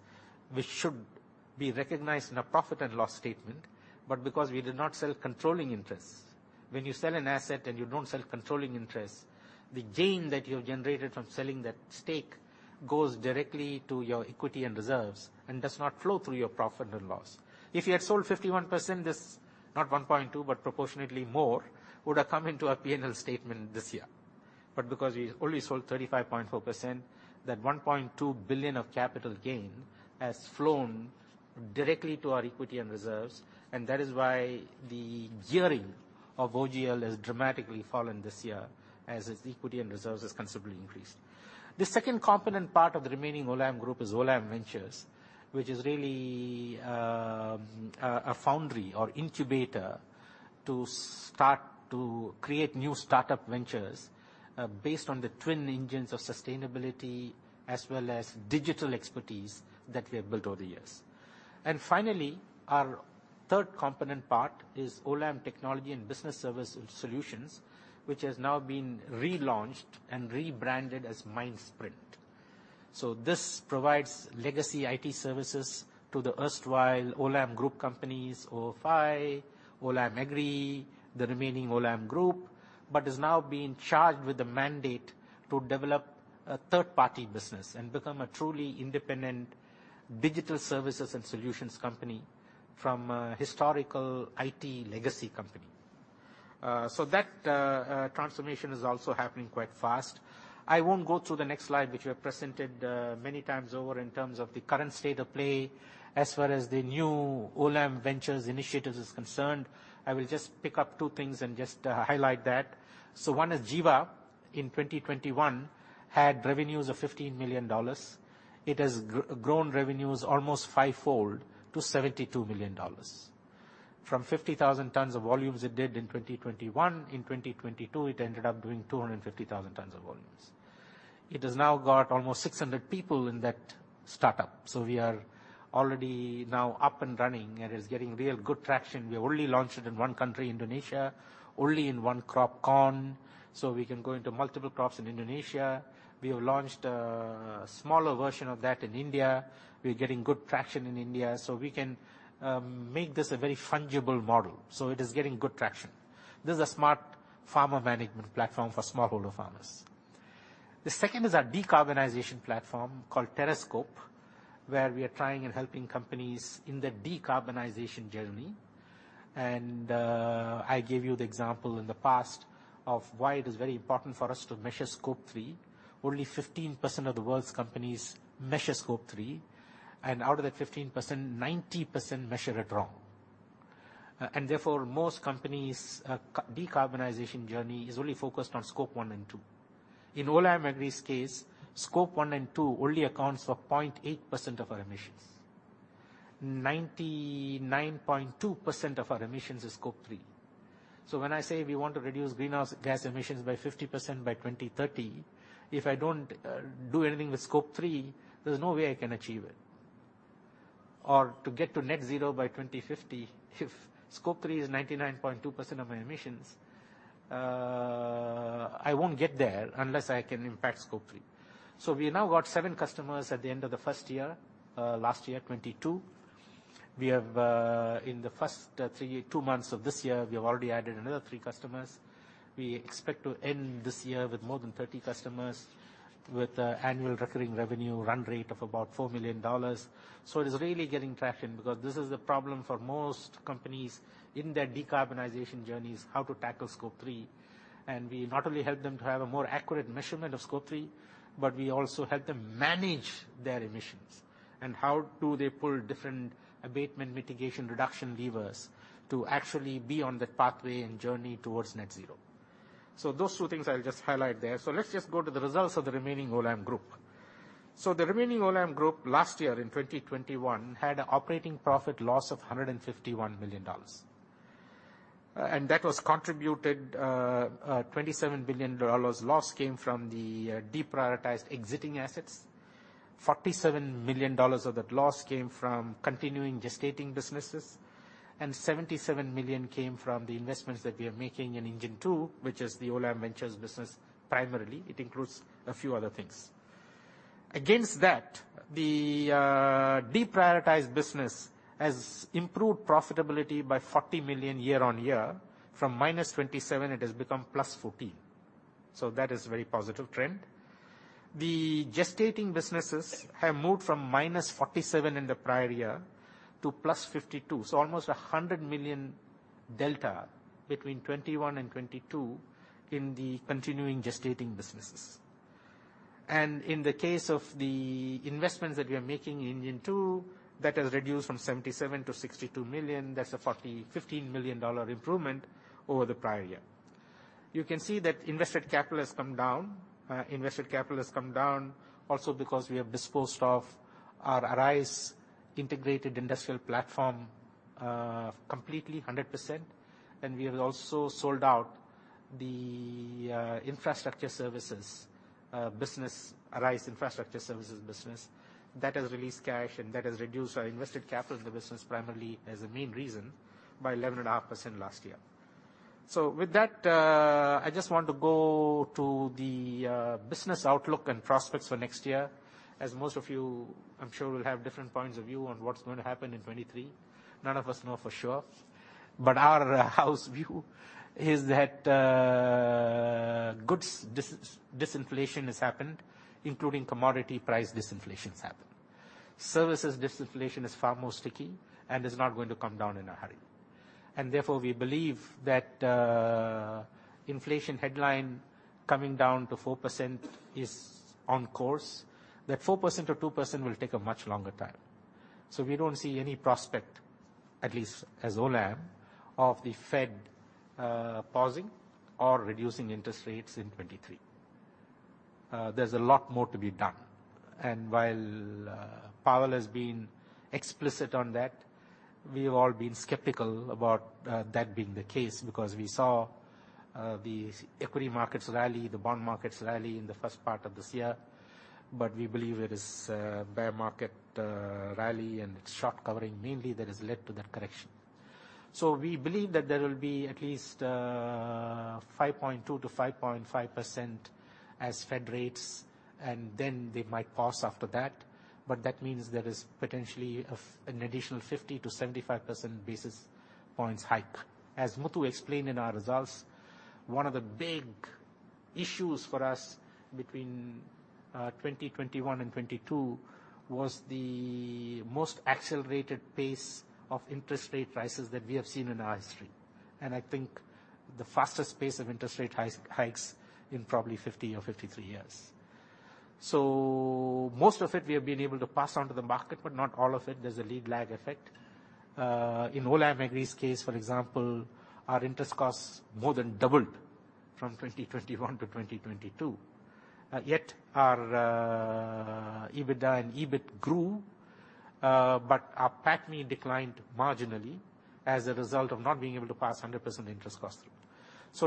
which should be recognized in a profit and loss statement. Because we did not sell controlling interests, when you sell an asset and you don't sell controlling interests, the gain that you have generated from selling that stake goes directly to your equity and reserves and does not flow through your profit and loss. If you had sold 51%, this not 1.2 billion, but proportionately more would have come into our P&L statement this year. Because we only sold 35.4%, that 1.2 billion of capital gain has flown directly to our equity and reserves, and that is why the gearing of OGL has dramatically fallen this year as its equity and reserves has considerably increased. The second component part of the remaining Olam Group is Olam Ventures, which is really a foundry or incubator to start to create new startup ventures based on the twin engines of sustainability as well as digital expertise that we have built over the years. Finally, our third component part is Olam Technology and Business Service Solutions, which has now been relaunched and rebranded as Mindsprint. This provides legacy IT services to the erstwhile Olam Group companies, ofi, Olam Agri, the remaining Olam Group, but is now being charged with the mandate to develop a third-party business and become a truly independent digital services and solutions company from a historical IT legacy company. That transformation is also happening quite fast. I won't go through the next slide, which we have presented many times over in terms of the current state of play as far as the new Olam Ventures initiatives is concerned. I will just pick up two things and just highlight that. One is Jiva in 2021 had revenues of $15 million. It has grown revenues almost five-fold to $72 million. From 50,000 tons of volumes it did in 2021, in 2022, it ended up doing 250,000 tons of volumes. It has now got almost 600 people in that startup, so we are already now up and running. It is getting real good traction. We only launched it in one country, Indonesia, only in one crop, corn. We can go into multiple crops in Indonesia. We have launched a smaller version of that in India. We're getting good traction in India, so we can make this a very fungible model, so it is getting good traction. This is a smart farmer management platform for smallholder farmers. The second is our decarbonization platform called Terrascope, where we are trying and helping companies in their decarbonization journey. I gave you the example in the past of why it is very important for us to measure Scope 3. Only 15% of the world's companies measure Scope 3, and out of that 15%, 90% measure it wrong. Therefore, most companies' decarbonization journey is only focused on Scope 1 and 2. In Olam Agri's case, Scope 1 and 2 only accounts for 0.8% of our emissions. 99.2% of our emissions is Scope 3. When I say we want to reduce greenhouse gas emissions by 50% by 2030, if I don't do anything with Scope 3, there's no way I can achieve it. To get to net zero by 2050, if Scope 3 is 99.2% of my emissions, I won't get there unless I can impact Scope 3. We now got seven customers at the end of the first year, last year, 2022. We have, in the first two months of this year, we have already added another three customers. We expect to end this year with more than 30 customers with annual recurring revenue run rate of about $4 million. It is really getting traction because this is a problem for most companies in their decarbonization journeys, how to tackle Scope 3. We not only help them to have a more accurate measurement of Scope 3, but we also help them manage their emissions and how do they pull different abatement mitigation reduction levers to actually be on that pathway and journey towards net zero. Those two things I'll just highlight there. Let's just go to the results of the remaining Olam Group. The remaining Olam Group last year in 2021 had an operating profit loss of $151 million. That was contributed, $27 billion loss came from the deprioritized exiting assets. $47 million of that loss came from continuing gestating businesses, and $77 million came from the investments that we are making in Engine 2, which is the Olam Ventures business, primarily. It includes a few other things. Against that, the deprioritized business has improved profitability by $40 million year-on-year. From -$27 million it has become +$14 million, so that is very positive trend. The gestating businesses have moved from -$47 million in the prior year to +$52 million, so almost a $100 million delta between 2021 and 2022 in the continuing gestating businesses. In the case of the investments that we are making in Engine 2, that has reduced from $77 million to $62 million. That's a $15 million improvement over the prior year. You can see that invested capital has come down. Invested capital has come down also because we have disposed of our ARISE Integrated Industrial platform, completely 100%, and we have also sold out the infrastructure services business—ARISE Infrastructure Services business. That has released cash, and that has reduced our invested capital in the business primarily as a main reason by 11.5% last year. With that, I just want to go to the business outlook and prospects for next year. As most of you, I'm sure will have different points of view on what's going to happen in 2023. None of us know for sure, but our house view is that goods disinflation has happened, including commodity price disinflation has happened. Services disinflation is far more sticky and is not going to come down in a hurry. Therefore, we believe that inflation headline coming down to 4% is on course. That 4% to 2% will take a much longer time. We don't see any prospect, at least as Olam, of the Fed pausing or reducing interest rates in 2023. There's a lot more to be done. While Powell has been explicit on that, we've all been skeptical about that being the case because we saw the equity markets rally, the bond markets rally in the first part of this year. We believe it is bear market rally and short covering mainly that has led to that correction. We believe that there will be at least 5.2%-5.5% as Fed rates, and then they might pause after that. That means there is potentially an additional 50%-75% basis points hike. As Muthu explained in our results, one of the big issues for us between 2021 and 2022 was the most accelerated pace of interest rate rises that we have seen in our history. I think the fastest pace of interest rate hikes in probably 50 or 53 years. Most of it we have been able to pass on to the market, but not all of it. There's a lead lag effect. In Olam Agri's case, for example, our interest costs more than doubled from 2021 to 2022. Yet our EBITDA and EBIT grew, but our PATMI declined marginally as a result of not being able to pass 100% interest costs through.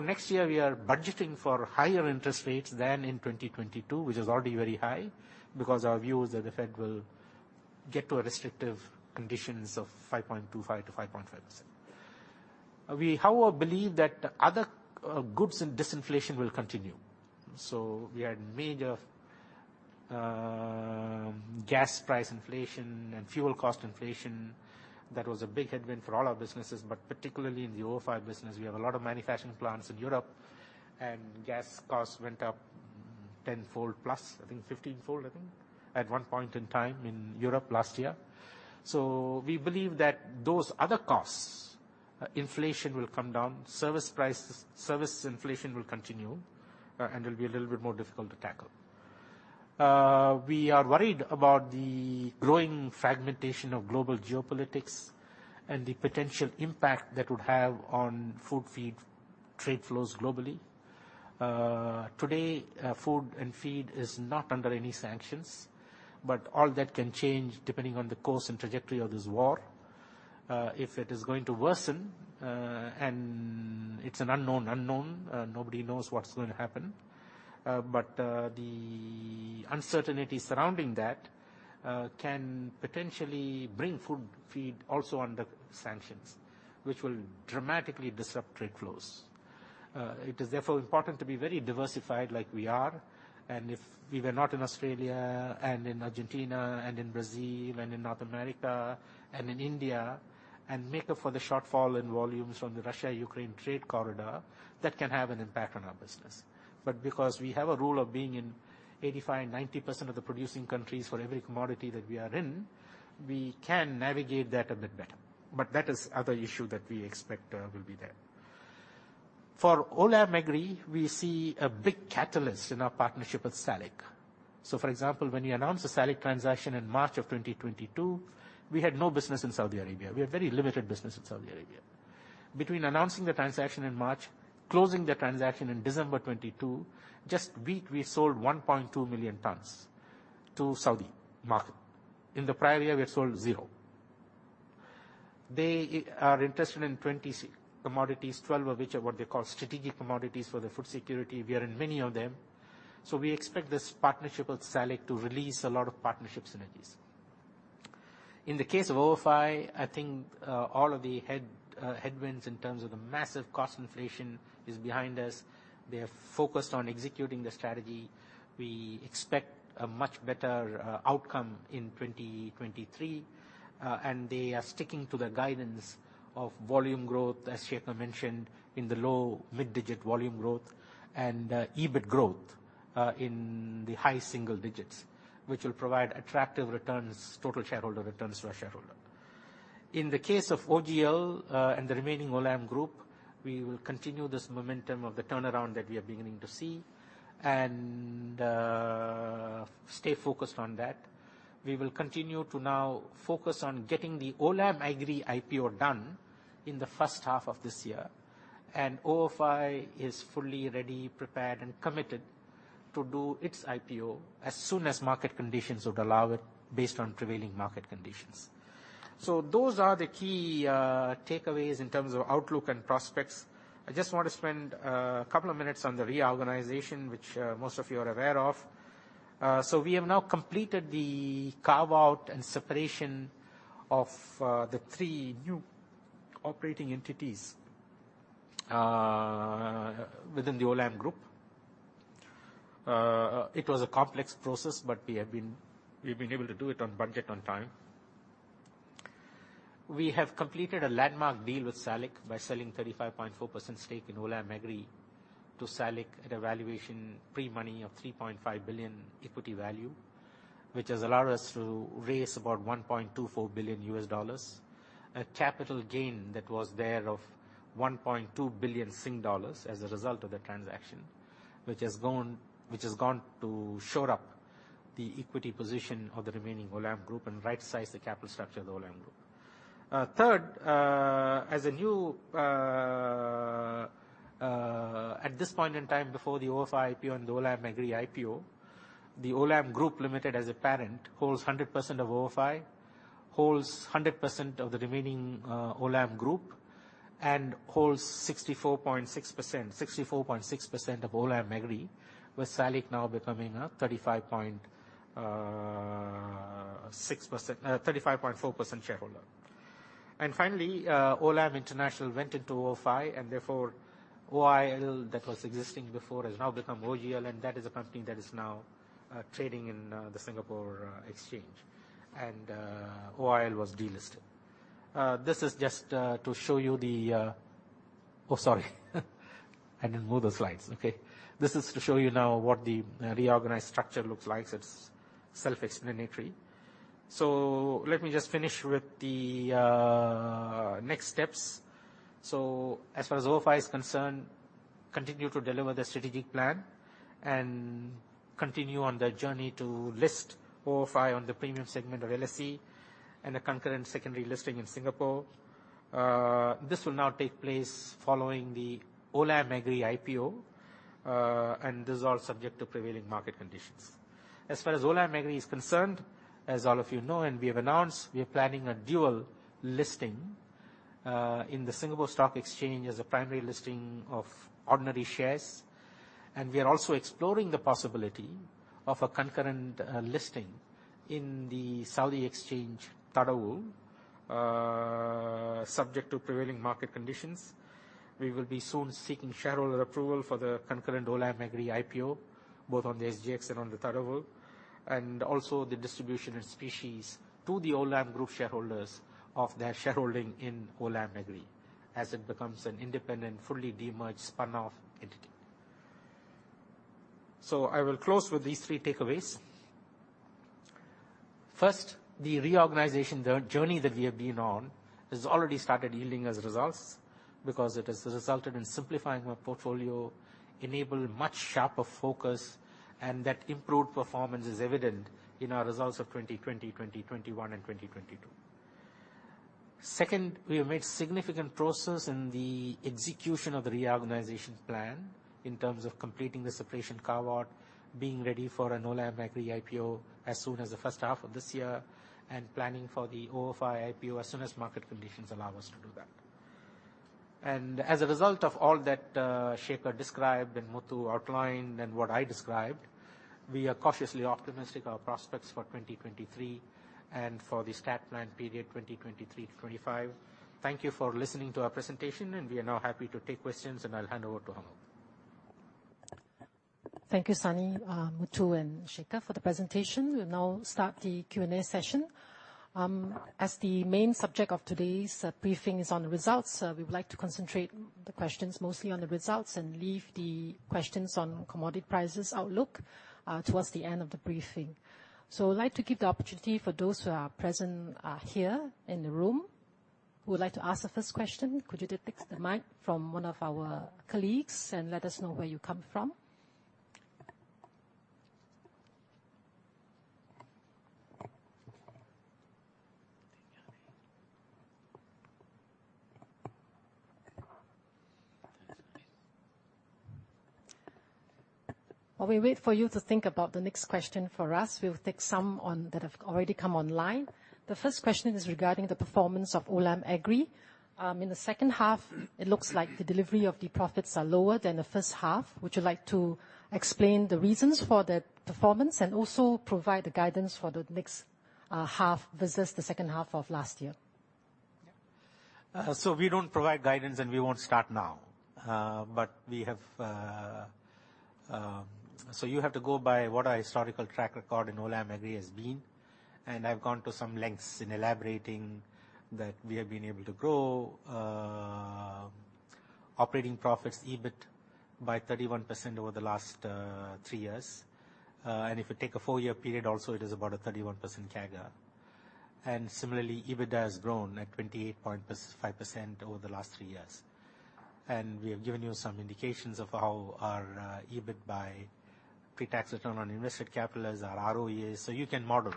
Next year we are budgeting for higher interest rates than in 2022, which is already very high because our view is that the Fed will get to a restrictive conditions of 5.25%-5.5%. We, however, believe that other goods and disinflation will continue. We had major gas price inflation and fuel cost inflation. That was a big headwind for all our businesses, but particularly in the ofi business. We have a lot of manufacturing plants in Europe, and gas costs went up 10-fold plus, I think 15-fold, I think, at one point in time in Europe last year. We believe that those other costs, inflation will come down, service inflation will continue and will be a little bit more difficult to tackle. We are worried about the growing fragmentation of global geopolitics and the potential impact that would have on food feed trade flows globally. Today, food and feed is not under any sanctions, but all that can change depending on the course and trajectory of this war. If it is going to worsen, and it's an unknown unknown, nobody knows what's going to happen. The uncertainty surrounding that, can potentially bring food feed also under sanctions, which will dramatically disrupt trade flows. It is therefore important to be very diversified like we are, and if we were not in Australia and in Argentina and in Brazil and in North America and in India, and make up for the shortfall in volumes from the Russia-Ukraine trade corridor, that can have an impact on our business. Because we have a rule of being in 85-90% of the producing countries for every commodity that we are in, we can navigate that a bit better. That is other issue that we expect will be there. For Olam Agri, we see a big catalyst in our partnership with SALIC. For example, when we announced the SALIC transaction in March of 2022, we had no business in Saudi Arabia. We had very limited business in Saudi Arabia. Between announcing the transaction in March, closing the transaction in December 22, just wheat we sold 1.2 million tons to Saudi market. In the prior year, we had sold 0. They are interested in 20 commodities, 12 of which are what they call strategic commodities for their food security. We are in many of them. We expect this partnership with SALIC to release a lot of partnership synergies. In the case of ofi, I think, all of the headwinds in terms of the massive cost inflation is behind us. They are focused on executing the strategy. We expect a much better outcome in 2023. They are sticking to their guidance of volume growth, as Shekhar mentioned, in the low mid-digit volume growth and EBIT growth in the high single digits, which will provide attractive returns, total shareholder returns to our shareholder. In the case of OGL, and the remaining Olam Group, we will continue this momentum of the turnaround that we are beginning to see and stay focused on that. We will continue to now focus on getting the Olam Agri IPO done in the first half of this year. ofi is fully ready, prepared, and committed to do its IPO as soon as market conditions would allow it based on prevailing market conditions. Those are the key takeaways in terms of outlook and prospects. I just want to spend a couple of minutes on the reorganization, which most of you are aware of. We have now completed the carve-out and separation of the three new operating entities within the Olam Group. It was a complex process, but we've been able to do it on budget on time. We have completed a landmark deal with SALIC by selling 35.4% stake in Olam Agri to SALIC at a valuation pre-money of $3.5 billion equity value, which has allowed us to raise about $1.24 billion. A capital gain that was there of 1.2 billion Sing dollars as a result of the transaction, which has gone to shore up the equity position of the remaining Olam Group and rightsize the capital structure of the Olam Group. third, as a new. At this point in time before the ofi IPO and the Olam Agri IPO, the Olam Group Limited as a parent holds 100% of ofi, holds 100% of the remaining Olam Group, and holds 64.6% of Olam Agri, with SALIC now becoming a 35.6%, 35.4% shareholder. Finally, Olam International went into ofi, and therefore, OIL that was existing before has now become OGL, and that is a company that is now trading in the Singapore Exchange. OIL was delisted. This is just to show you the. Oh, sorry. I didn't move the slides. Okay. This is to show you now what the reorganized structure looks like. It's self-explanatory. Let me just finish with the next steps. As far as ofi is concerned, continue to deliver the strategic plan and continue on the journey to list ofi on the premium segment of LSE and a concurrent secondary listing in Singapore. This will now take place following the Olam Agri IPO, and this is all subject to prevailing market conditions. As far as Olam Agri is concerned, as all of you know and we have announced, we are planning a dual listing in the Singapore Stock Exchange as a primary listing of ordinary shares. We are also exploring the possibility of a concurrent listing in the Saudi exchange Tadawul, subject to prevailing market conditions. We will be soon seeking shareholder approval for the concurrent Olam Agri IPO, both on the SGX and on Tadawul, and also the distribution of specie to the Olam Group shareholders of their shareholding in Olam Agri. As it becomes an independent, fully de-merged, spun-off entity. I will close with these three takeaways. First, the reorganization, the journey that we have been on has already started yielding us results because it has resulted in simplifying our portfolio, enable much sharper focus, and that improved performance is evident in our results of 2020, 2021, and 2022. Second, we have made significant process in the execution of the reorganization plan in terms of completing the separation carve-out, being ready for an Olam Agri IPO as soon as the first half of this year, and planning for the ofi IPO as soon as market conditions allow us to do that. As a result of all that, Shekhar described and Muthu outlined and what I described, we are cautiously optimistic our prospects for 2023 and for the stat plan period 2023 to 2025. Thank you for listening to our presentation. We are now happy to take questions. I'll hand over to Hoeng. Thank you, Sunny, Muthu, and Shekhar for the presentation. We'll now start the Q&A session. As the main subject of today's briefing is on results, we would like to concentrate the questions mostly on the results and leave the questions on commodity prices outlook towards the end of the briefing. I would like to give the opportunity for those who are present here in the room who would like to ask the first question. Could you just take the mic from one of our colleagues and let us know where you come from? While we wait for you to think about the next question for us, we'll take some that have already come online. The first question is regarding the performance of Olam Agri. In the second half, it looks like the delivery of the profits are lower than the first half. Would you like to explain the reasons for the performance and also provide the guidance for the next half versus the second half of last year? Yeah. We don't provide guidance, and we won't start now. We have. You have to go by what our historical track record in Olam Agri has been. I've gone to some lengths in elaborating that we have been able to grow operating profits EBIT by 31% over the last three years. If you take a four-year period also, it is about a 31% CAGR. Similarly, EBITDA has grown at 28.5% over the last three years. We have given you some indications of how our EBIT by pre-tax return on invested capital as our ROE is. You can model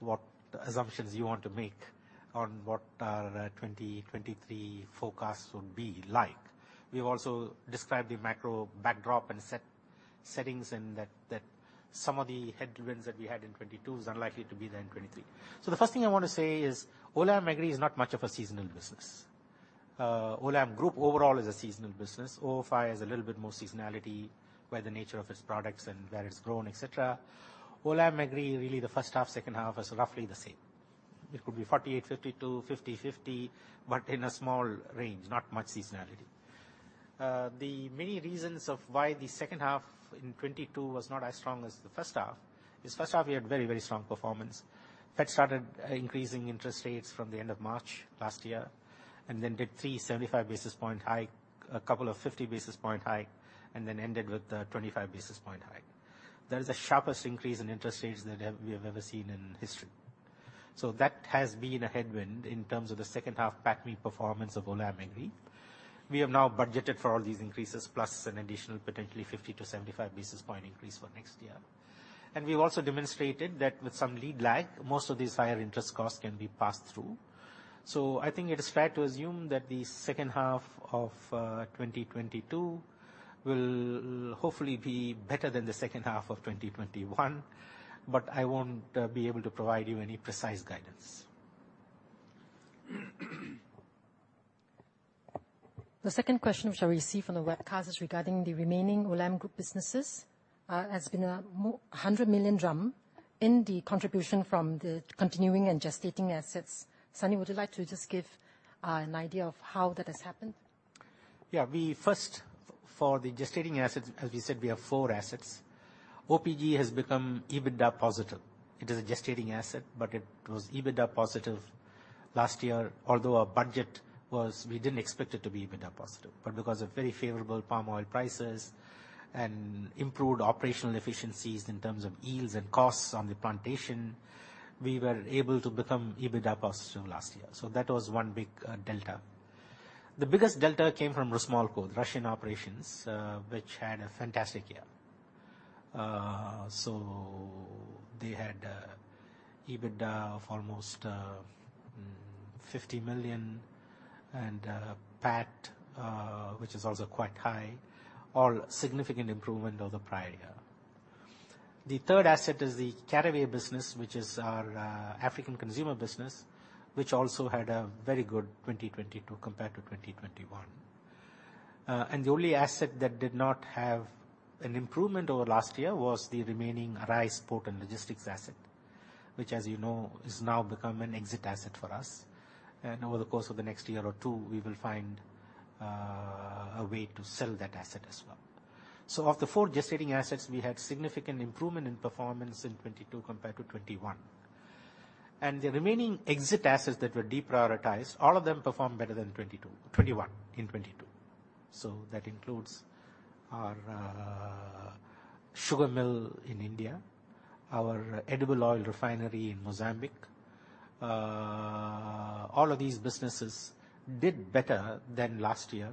what assumptions you want to make on what our 2023 forecast would be like. We've also described the macro backdrop and set-settings and that some of the headwinds that we had in 2022 is unlikely to be there in 2023. The first thing I want to say is Olam Agri is not much of a seasonal business. Olam Group overall is a seasonal business. ofi has a little bit more seasonality by the nature of its products and where it's grown, et cetera. Olam Agri, really the first half, second half is roughly the same. It could be 48, 52, 50-50, but in a small range, not much seasonality. The many reasons of why the second half in 2022 was not as strong as the first half is first half we had very strong performance. Fed started increasing interest rates from the end of March last year and then did 375 basis point hike, a couple of 50 basis point hike, and then ended with a 25 basis point hike. That is the sharpest increase in interest rates that we have ever seen in history. That has been a headwind in terms of the second half PATMI performance of Olam Agri. We have now budgeted for all these increases plus an additional potentially 50-75 basis point increase for next year. We've also demonstrated that with some lead lag, most of these higher interest costs can be passed through. I think it is fair to assume that the second half of 2022 will hopefully be better than the second half of 2021, but I won't be able to provide you any precise guidance. The second question which I receive from the webcast is regarding the remaining Olam Group businesses. has been a 100 million drum in the contribution from the continuing and gestating assets. Sunny, would you like to just give an idea of how that has happened? We first, for the gestating assets, as we said, we have four assets. OPG has become EBITDA positive. It is a gestating asset, it was EBITDA positive last year. Although our budget was we didn't expect it to be EBITDA positive. Because of very favorable palm oil prices and improved operational efficiencies in terms of yields and costs on the plantation, we were able to become EBITDA positive last year. That was one big delta. The biggest delta came from Rusmolco, the Russian operations, which had a fantastic year. They had EBITDA of almost $50 million and PAT, which is also quite high. All significant improvement over the prior year. The third asset is the Caraway business, which is our African consumer business, which also had a very good 2022 compared to 2021. The only asset that did not have an improvement over last year was the remaining rice port and logistics asset, which you know, has now become an exit asset for us. Over the course of the next year or two, we will find a way to sell that asset as well. Of the four gestating assets, we had significant improvement in performance in 2022 compared to 2021 and the remaining exit assets that were deprioritized, all of them performed better than 2021 in 2022. That includes our sugar mill in India, our edible oil refinery in Mozambique. All of these businesses did better than last year,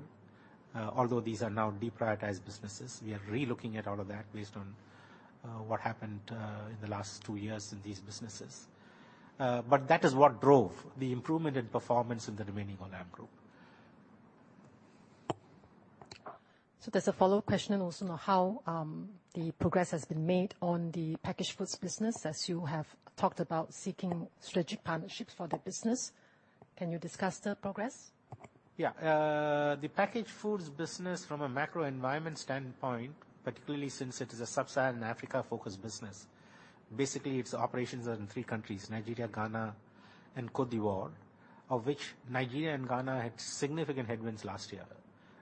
although these are now deprioritized businesses. We are re-looking at all of that based on what happened in the last two years in these businesses. That is what drove the improvement in performance in the remaining Olam Group. There's a follow-up question and also know how the progress has been made on the packaged foods business, as you have talked about seeking strategic partnerships for the business. Can you discuss the progress? The packaged foods business from a macro environment standpoint, particularly since it is a Sub-Saharan Africa-focused business, basically its operations are in three countries, Nigeria, Ghana, and Côte d'Ivoire, of which Nigeria and Ghana had significant headwinds last year.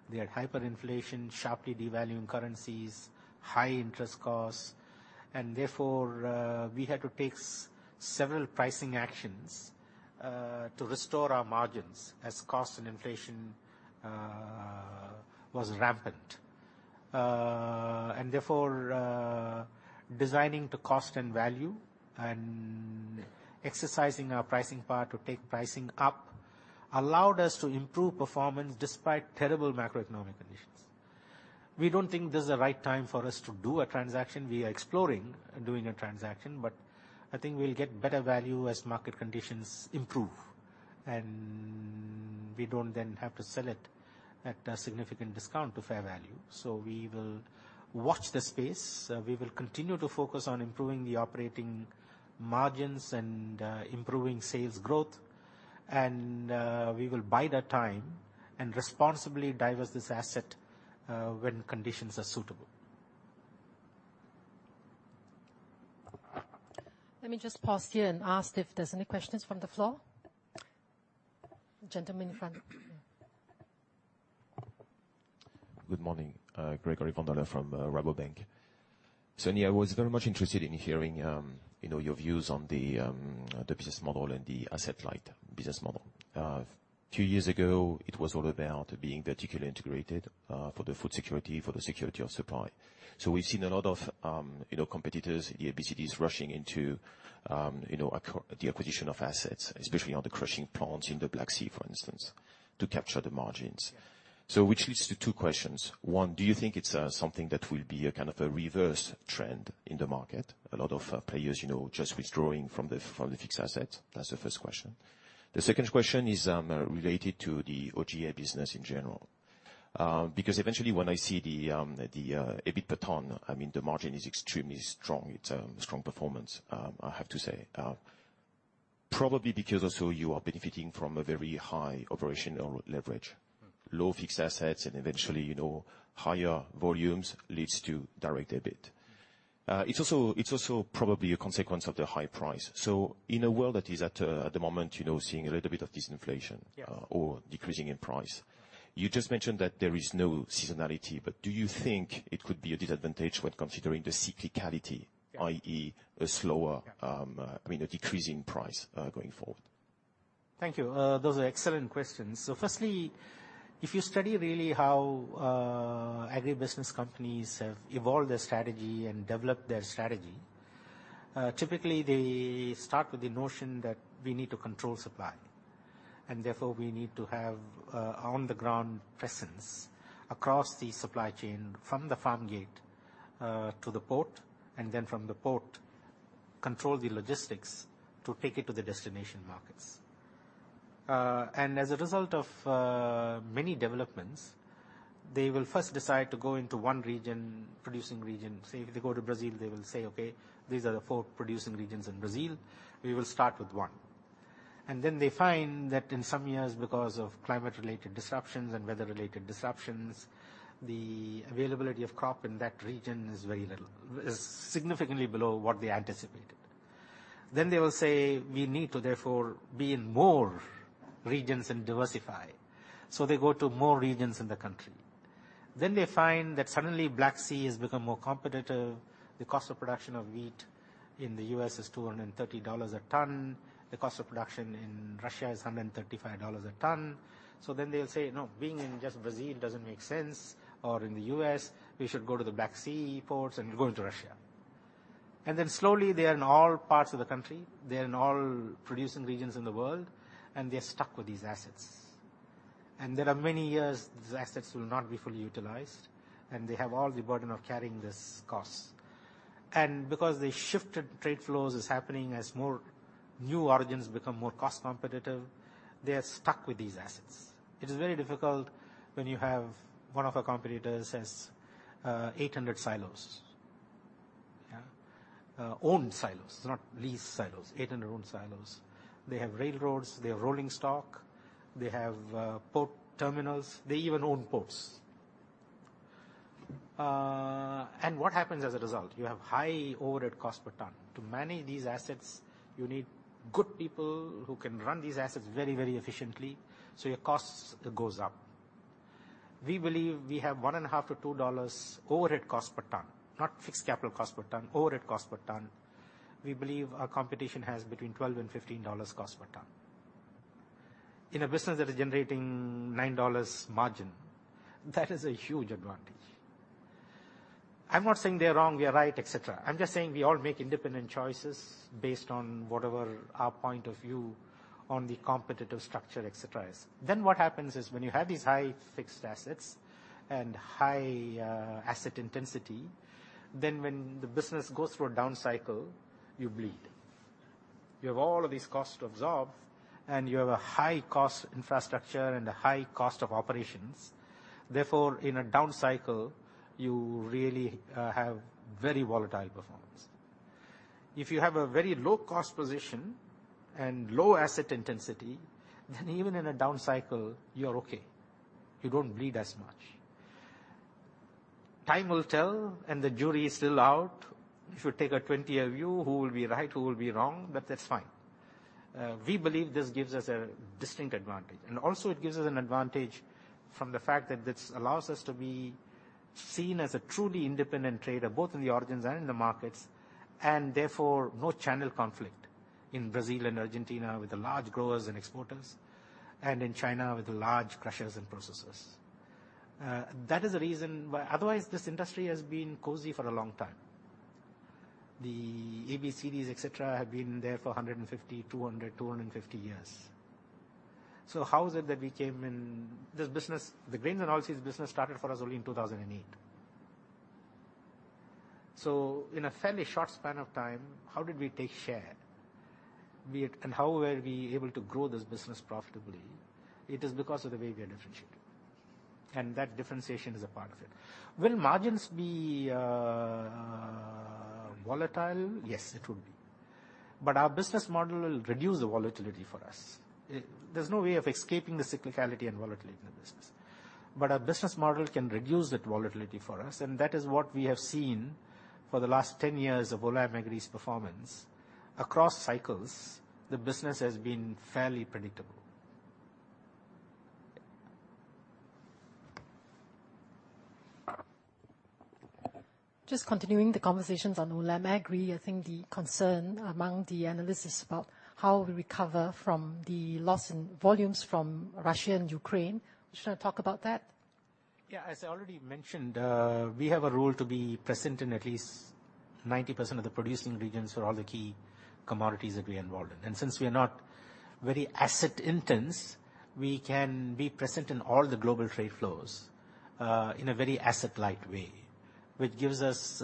They had hyperinflation, sharply devaluing currencies, high interest costs, and therefore, we had to take several pricing actions to restore our margins as cost and inflation was rampant. Therefore, designing to cost and value and exercising our pricing power to take pricing up allowed us to improve performance despite terrible macroeconomic conditions. We don't think this is the right time for us to do a transaction. We are exploring doing a transaction, but I think we'll get better value as market conditions improve. We don't then have to sell it at a significant discount to fair value. We will watch the space. We will continue to focus on improving the operating margins and improving sales growth. We will bide our time and responsibly divest this asset when conditions are suitable. Let me just pause here and ask if there's any questions from the floor. Gentleman in front. Good morning. Gregory Hutton from Rabobank. Sunny, I was very much interested in hearing, you know, your views on the business model and the asset-light business model. A few years ago, it was all about being vertically integrated, for the food security, for the security of supply. We've seen a lot of, you know, competitors, the ABCDs rushing into, the acquisition of assets, especially on the crushing plants in the Black Sea, for instance, to capture the margins. Which leads to two questions. One, do you think it's something that will be a kind of a reverse trend in the market? A lot of players, you know, just withdrawing from the fixed asset. That's the first question. The second question is related to the OGA business in general. Because eventually when I see the EBIT per ton, I mean, the margin is extremely strong. It's a strong performance, I have to say. Probably because also you are benefiting from a very high operational leverage. Mm-hmm. Low fixed assets and eventually, you know, higher volumes leads to direct EBIT. It's also probably a consequence of the high price. In a world that is at the moment, you know, seeing a little bit of disinflation-. Yes. Decreasing in price, you just mentioned that there is no seasonality, but do you think it could be a disadvantage when considering the cyclicality? Yeah. i.e., a slower- Yeah. I mean a decreasing price, going forward? Thank you. Those are excellent questions. Firstly, if you study really how agribusiness companies have evolved their strategy and developed their strategy, typically they start with the notion that we need to control supply, and therefore we need to have on the ground presence across the supply chain from the farm gate to the port, and then from the port, control the logistics to take it to the destination markets. As a result of many developments, they will first decide to go into one region, producing region. Say, if they go to Brazil, they will say, "Okay, these are the four producing regions in Brazil. We will start with one." Then they find that in some years because of climate-related disruptions and weather-related disruptions, the availability of crop in that region is very little. It's significantly below what they anticipated. They will say, "We need to therefore be in more regions and diversify." They go to more regions in the country. They find that suddenly Black Sea has become more competitive. The cost of production of wheat in the U.S. is $230 a ton. The cost of production in Russia is $135 a ton. They'll say, "No, being in just Brazil doesn't make sense, or in the U.S., we should go to the Black Sea ports and go into Russia." Slowly they are in all parts of the country. They are in all producing regions in the world, and they're stuck with these assets. There are many years these assets will not be fully utilized, and they have all the burden of carrying this cost. Because they shifted trade flows is happening as more new origins become more cost competitive, they are stuck with these assets. It is very difficult when you have one of our competitors has 800 silos. Yeah. Owned silos, not leased silos, 800 owned silos. They have railroads, they have rolling stock, they have port terminals. They even own ports. What happens as a result? You have high overhead cost per ton. To manage these assets, you need good people who can run these assets very, very efficiently, so your costs goes up. We believe we have $1.50-$2 overhead cost per ton, not fixed capital cost per ton, overhead cost per ton. We believe our competition has between $12-$15 cost per ton. In a business that is generating $9 margin, that is a huge advantage. I'm not saying they're wrong, we are right, et cetera. I'm just saying we all make independent choices based on whatever our point of view on the competitive structure, et cetera, is. What happens is when you have these high fixed assets and high asset intensity, then when the business goes through a down cycle, you bleed. You have all of these costs to absorb, and you have a high cost infrastructure and a high cost of operations. Therefore, in a down cycle, you really have very volatile performance. If you have a very low cost position and low asset intensity, then even in a down cycle, you're okay. You don't bleed as much. Time will tell, and the jury is still out. If you take a 20 of you, who will be right, who will be wrong, but that's fine. We believe this gives us a distinct advantage. Also it gives us an advantage from the fact that this allows us to be seen as a truly independent trader, both in the origins and in the markets, and therefore, no channel conflict in Brazil and Argentina with the large growers and exporters, and in China with the large crushers and processors. That is the reason why. Otherwise, this industry has been cozy for a long time. The ABCDs, et cetera, have been there for 150, 200, 250 years. How is it that we came in this business? The grains and oilseeds business started for us only in 2008. In a fairly short span of time, how did we take share? How were we able to grow this business profitably? It is because of the way we are differentiating, and that differentiation is a part of it. Will margins be volatile? Yes, it will be. Our business model will reduce the volatility for us. There's no way of escaping the cyclicality and volatility of the business. Our business model can reduce that volatility for us, and that is what we have seen for the last 10 years of Olam Agri's performance. Across cycles, the business has been fairly predictable. Just continuing the conversations on Olam Agri, I think the concern among the analysts is about how we recover from the loss in volumes from Russia and Ukraine. Do you wanna talk about that? Yeah. As I already mentioned, we have a rule to be present in at least 90% of the producing regions for all the key commodities that we are involved in. Since we are not very asset intense, we can be present in all the global trade flows in a very asset-light way, which gives us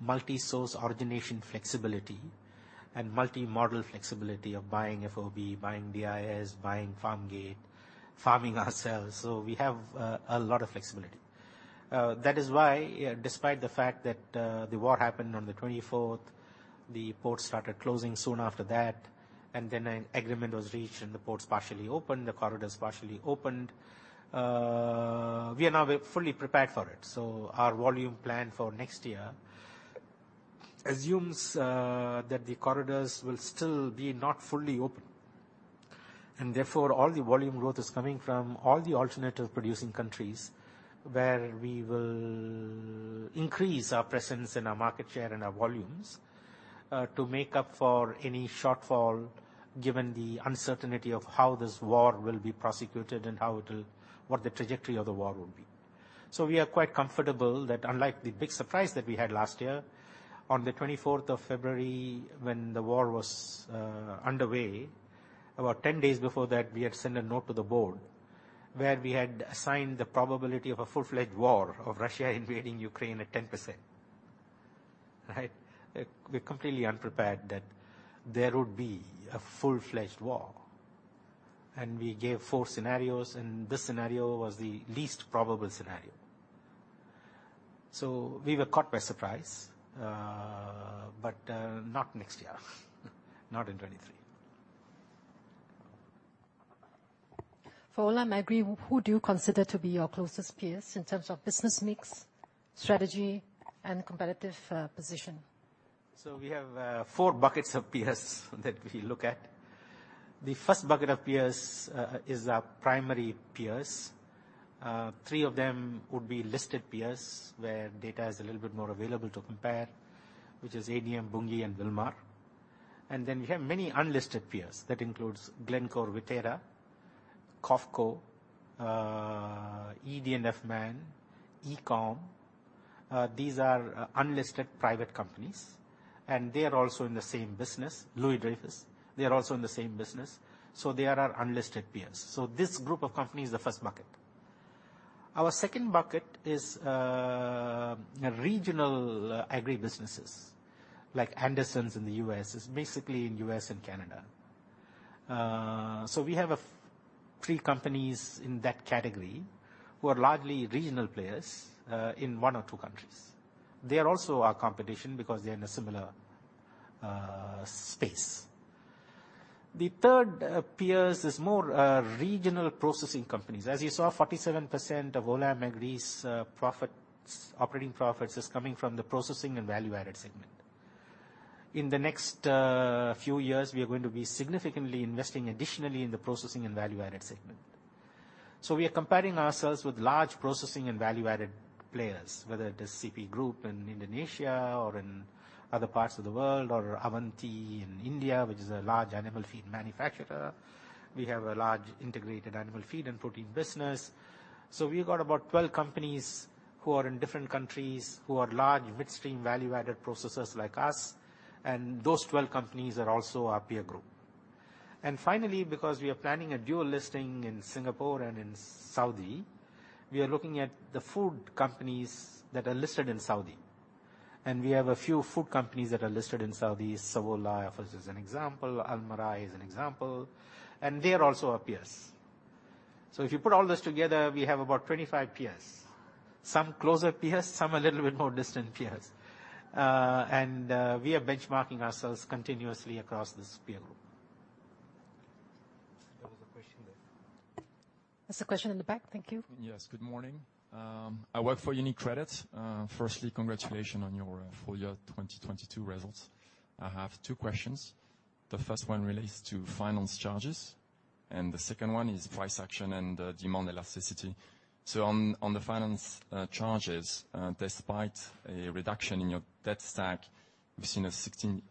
multi-source origination flexibility and multi-model flexibility of buying FOB, buying DIS, buying farm gate, farming ourselves. We have a lot of flexibility. That is why despite the fact that the war happened on the 24th, the ports started closing soon after that, an agreement was reached, the ports partially opened, the corridors partially opened, we are now fully prepared for it. Our volume plan for next year assumes that the corridors will still be not fully open. Therefore, all the volume growth is coming from all the alternative producing countries where we will increase our presence and our market share and our volumes to make up for any shortfall, given the uncertainty of how this war will be prosecuted and what the trajectory of the war will be. We are quite comfortable that unlike the big surprise that we had last year on the 24th of February when the war was underway, about 10 days before that, we had sent a note to the board where we had assigned the probability of a full-fledged war of Russia invading Ukraine at 10%. Right? We're completely unprepared that there would be a full-fledged war. We gave four scenarios, and this scenario was the least probable scenario. We were caught by surprise, but not next year. Not in 23. For Olam Agri, who do you consider to be your closest peers in terms of business mix, strategy, and competitive position? We have four buckets of peers that we look at. The first bucket of peers is our primary peers. Three of them would be listed peers, where data is a little bit more available to compare, which is ADM, Bunge, and Wilmar. We have many unlisted peers. That includes Glencore, Viterra, COFCO, ED&F Man, ECOM. These are unlisted private companies, and they are also in the same business. Louis Dreyfus, they are also in the same business. They are our unlisted peers. This group of companies is the first bucket. Our second bucket is regional agri businesses, like Andersons in the U.S. It's basically in U.S. and Canada. We have three companies in that category who are largely regional players in one or two countries. They are also our competition because they're in a similar space. The third peers is more regional processing companies. As you saw, 47% of Olam Agri's profits, operating profits is coming from the processing and value-added segment. In the next few years, we are going to be significantly investing additionally in the processing and value-added segment. We are comparing ourselves with large processing and value-added players, whether it is CP Group in Indonesia or in other parts of the world, or Avanti in India, which is a large animal feed manufacturer. We have a large integrated animal feed and protein business. We've got about 12 companies who are in different countries who are large midstream value-added processors like us, and those 12 companies are also our peer group. Finally, because we are planning a dual listing in Singapore and in Saudi, we are looking at the food companies that are listed in Saudi. We have a few food companies that are listed in Saudi. Savola, for instance, as an example, Almarai is an example, and they're also our peers. If you put all this together, we have about 25 peers. Some closer peers, some a little bit more distant peers. And we are benchmarking ourselves continuously across this peer group. There was a question there. There's a question in the back. Thank you. Yes, good morning. I work for UniCredit. Firstly, congratulations on your full year 2022 results. I have two questions. The first one relates to finance charges, and the second one is price action and demand elasticity. On the finance charges, despite a reduction in your debt stack, we've seen a 16%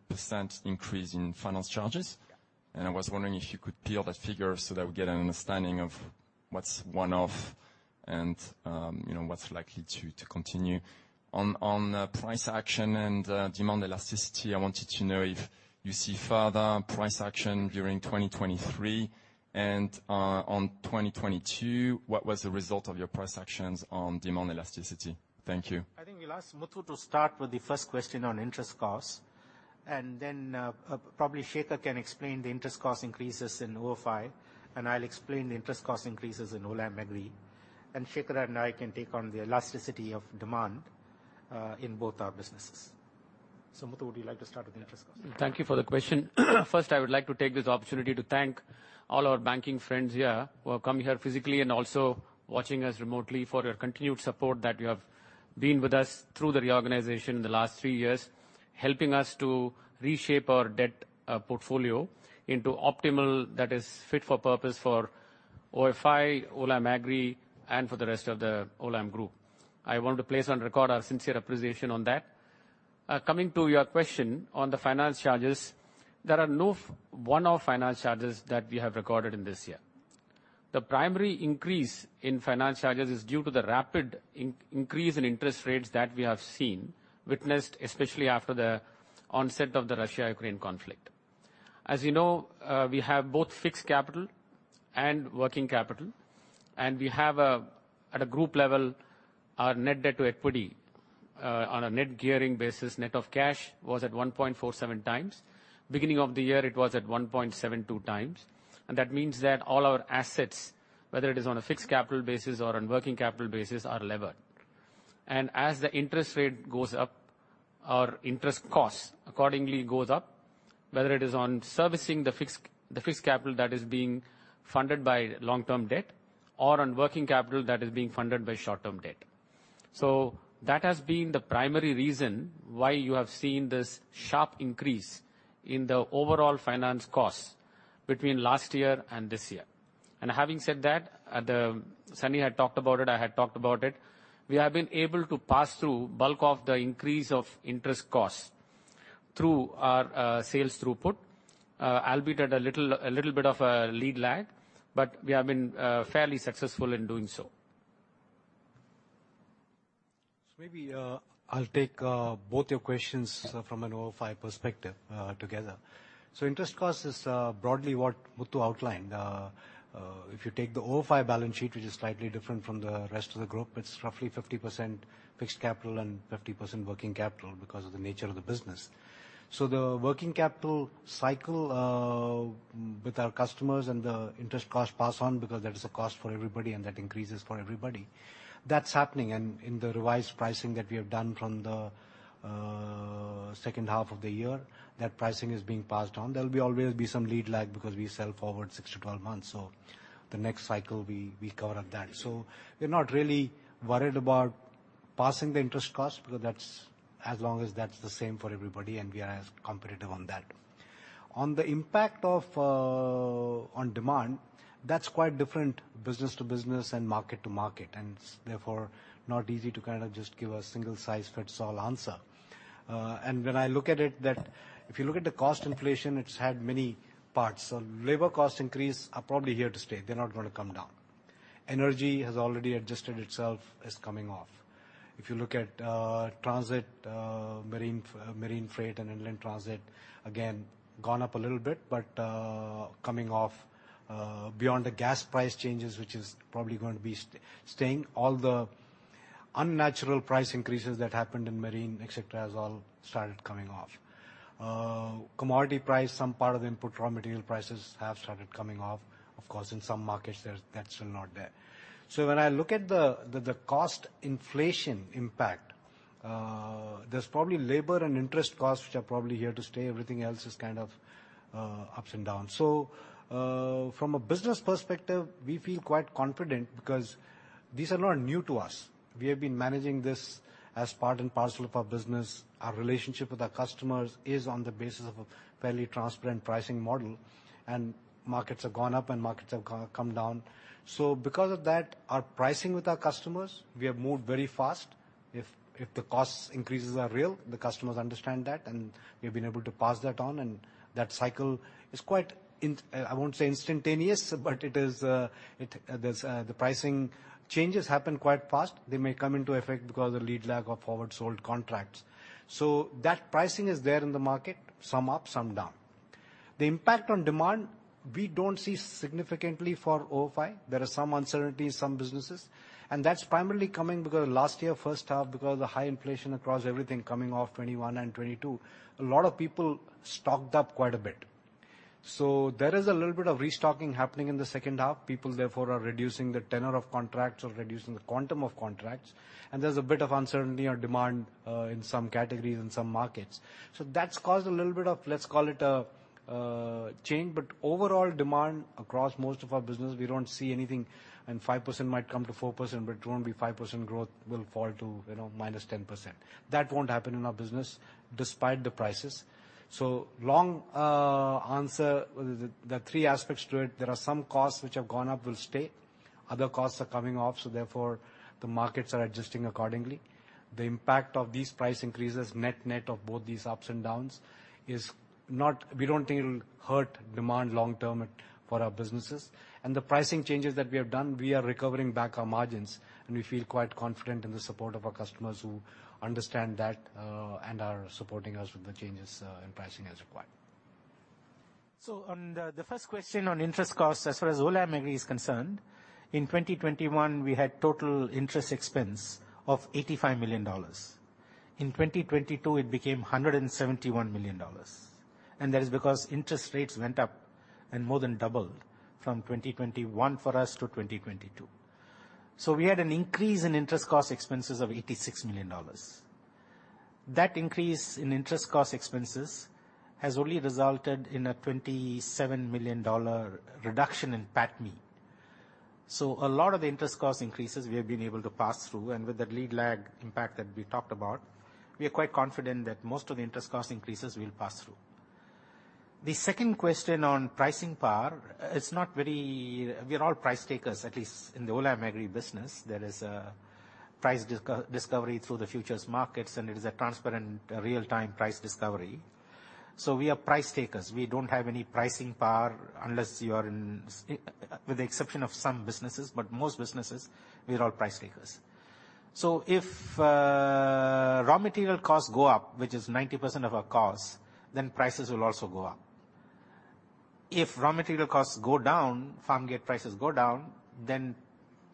increase in finance charges. Yeah. I was wondering if you could peel that figure so that we get an understanding of what's one-off and, you know, what's likely to continue. On price action and demand elasticity, I wanted to know if you see further price action during 2023. On 2022, what was the result of your price actions on demand elasticity? Thank you. I think we'll ask Muthu to start with the first question on interest costs. Probably Shekhar can explain the interest cost increases in ofi, and I'll explain the interest cost increases in Olam Agri. Shekhar and I can take on the elasticity of demand in both our businesses. Muthu, would you like to start with the interest cost? Thank you for the question. First, I would like to take this opportunity to thank all our banking friends here who have come here physically and also watching us remotely for your continued support that you have been with us through the reorganization in the last three years, helping us to reshape our debt portfolio into optimal that is fit for purpose for ofi, Olam Agri, and for the rest of the Olam Group. I want to place on record our sincere appreciation on that. Coming to your question on the finance charges, there are no one-off finance charges that we have recorded in this year. The primary increase in finance charges is due to the rapid increase in interest rates that we have seen, witnessed, especially after the onset of the Russia-Ukraine conflict. As you know, we have both fixed capital and working capital, and we have at a group level, our net debt to equity on a net gearing basis, net of cash, was at 1.47x. Beginning of the year, it was at 1.72x. That means that all our assets, whether it is on a fixed capital basis or on working capital basis, are levered. As the interest rate goes up, our interest costs accordingly goes up, whether it is on servicing the fixed capital that is being funded by long-term debt or on working capital that is being funded by short-term debt. That has been the primary reason why you have seen this sharp increase in the overall finance costs between last year and this year. Having said that, Sunny had talked about it, I had talked about it. We have been able to pass through bulk of the increase of interest costs through our sales throughput, albeit at a little bit of a lead lag, but we have been fairly successful in doing so. Maybe I'll take both your questions from an ofi perspective together. Interest cost is broadly what Muthu outlined. If you take the ofi balance sheet, which is slightly different from the rest of the group, it's roughly 50% fixed capital and 50% working capital because of the nature of the business. The working capital cycle with our customers and the interest cost pass on because there is a cost for everybody, and that increases for everybody. That's happening. In the revised pricing that we have done from the second half of the year, that pricing is being passed on. There will always be some lead lag because we sell forward 6-12 months. The next cycle we cover up that. We're not really worried about passing the interest cost because that's... as long as that's the same for everybody. We are as competitive on that. On the impact of on demand, that's quite different business to business and market to market. Therefore not easy to kind of just give a single size fits all answer. When I look at it, that if you look at the cost inflation, it's had many parts. Labor cost increase are probably here to stay. They're not gonna come down. Energy has already adjusted itself, is coming off. If you look at transit, marine freight and inland transit, again, gone up a little bit. Coming off beyond the gas price changes, which is probably going to be staying, all the unnatural price increases that happened in marine, et cetera, has all started coming off. Commodity price, some part of the input raw material prices have started coming off. Of course, in some markets that's still not there. When I look at the cost inflation impact There's probably labor and interest costs which are probably here to stay. Everything else is kind of ups and downs. From a business perspective, we feel quite confident because these are not new to us. We have been managing this as part and parcel of our business. Our relationship with our customers is on the basis of a fairly transparent pricing model. Markets have gone up and markets have come down. Because of that, our pricing with our customers, we have moved very fast. If the cost increases are real, the customers understand that, and we've been able to pass that on. That cycle is quite, I won't say instantaneous, but it is, the pricing changes happen quite fast. They may come into effect because of lead lag of forward sold contracts. That pricing is there in the market, some up, some down. The impact on demand, we don't see significantly for ofi. There are some uncertainties, some businesses. That's primarily coming because last year, first half, because the high inflation across everything coming off 2021 and 2022, a lot of people stocked up quite a bit. There is a little bit of restocking happening in the second half. People therefore are reducing the tenure of contracts or reducing the quantum of contracts. There's a bit of uncertainty on demand in some categories, in some markets. That's caused a little bit of, let's call it a change. Overall demand across most of our business, we don't see anything, and 5% might come to 4%, but it won't be 5% growth will fall to, you know, -10%. That won't happen in our business despite the prices. Long answer, the three aspects to it, there are some costs which have gone up will stay. Other costs are coming off, therefore the markets are adjusting accordingly. The impact of these price increases, net-net of both these ups and downs, we don't think it'll hurt demand long term for our businesses. The pricing changes that we have done, we are recovering back our margins, and we feel quite confident in the support of our customers who understand that and are supporting us with the changes in pricing as required. On the first question on interest costs, as far as Olam Agri is concerned, in 2021 we had total interest expense of $85 million. In 2022, it became $171 million. That is because interest rates went up and more than doubled from 2021 for us to 2022. We had an increase in interest cost expenses of $86 million. That increase in interest cost expenses has only resulted in a $27 million reduction in PATMI. A lot of the interest cost increases we have been able to pass through. With the lead lag impact that we talked about, we are quite confident that most of the interest cost increases will pass through. The second question on pricing power, it's not very. We are all price takers, at least in the Olam Agri business. There is a price discovery through the futures markets, and it is a transparent real-time price discovery. We are price takers. We don't have any pricing power unless you're in with the exception of some businesses, but most businesses, we are all price takers. If raw material costs go up, which is 90% of our costs, then prices will also go up. If raw material costs go down, farm gate prices go down, then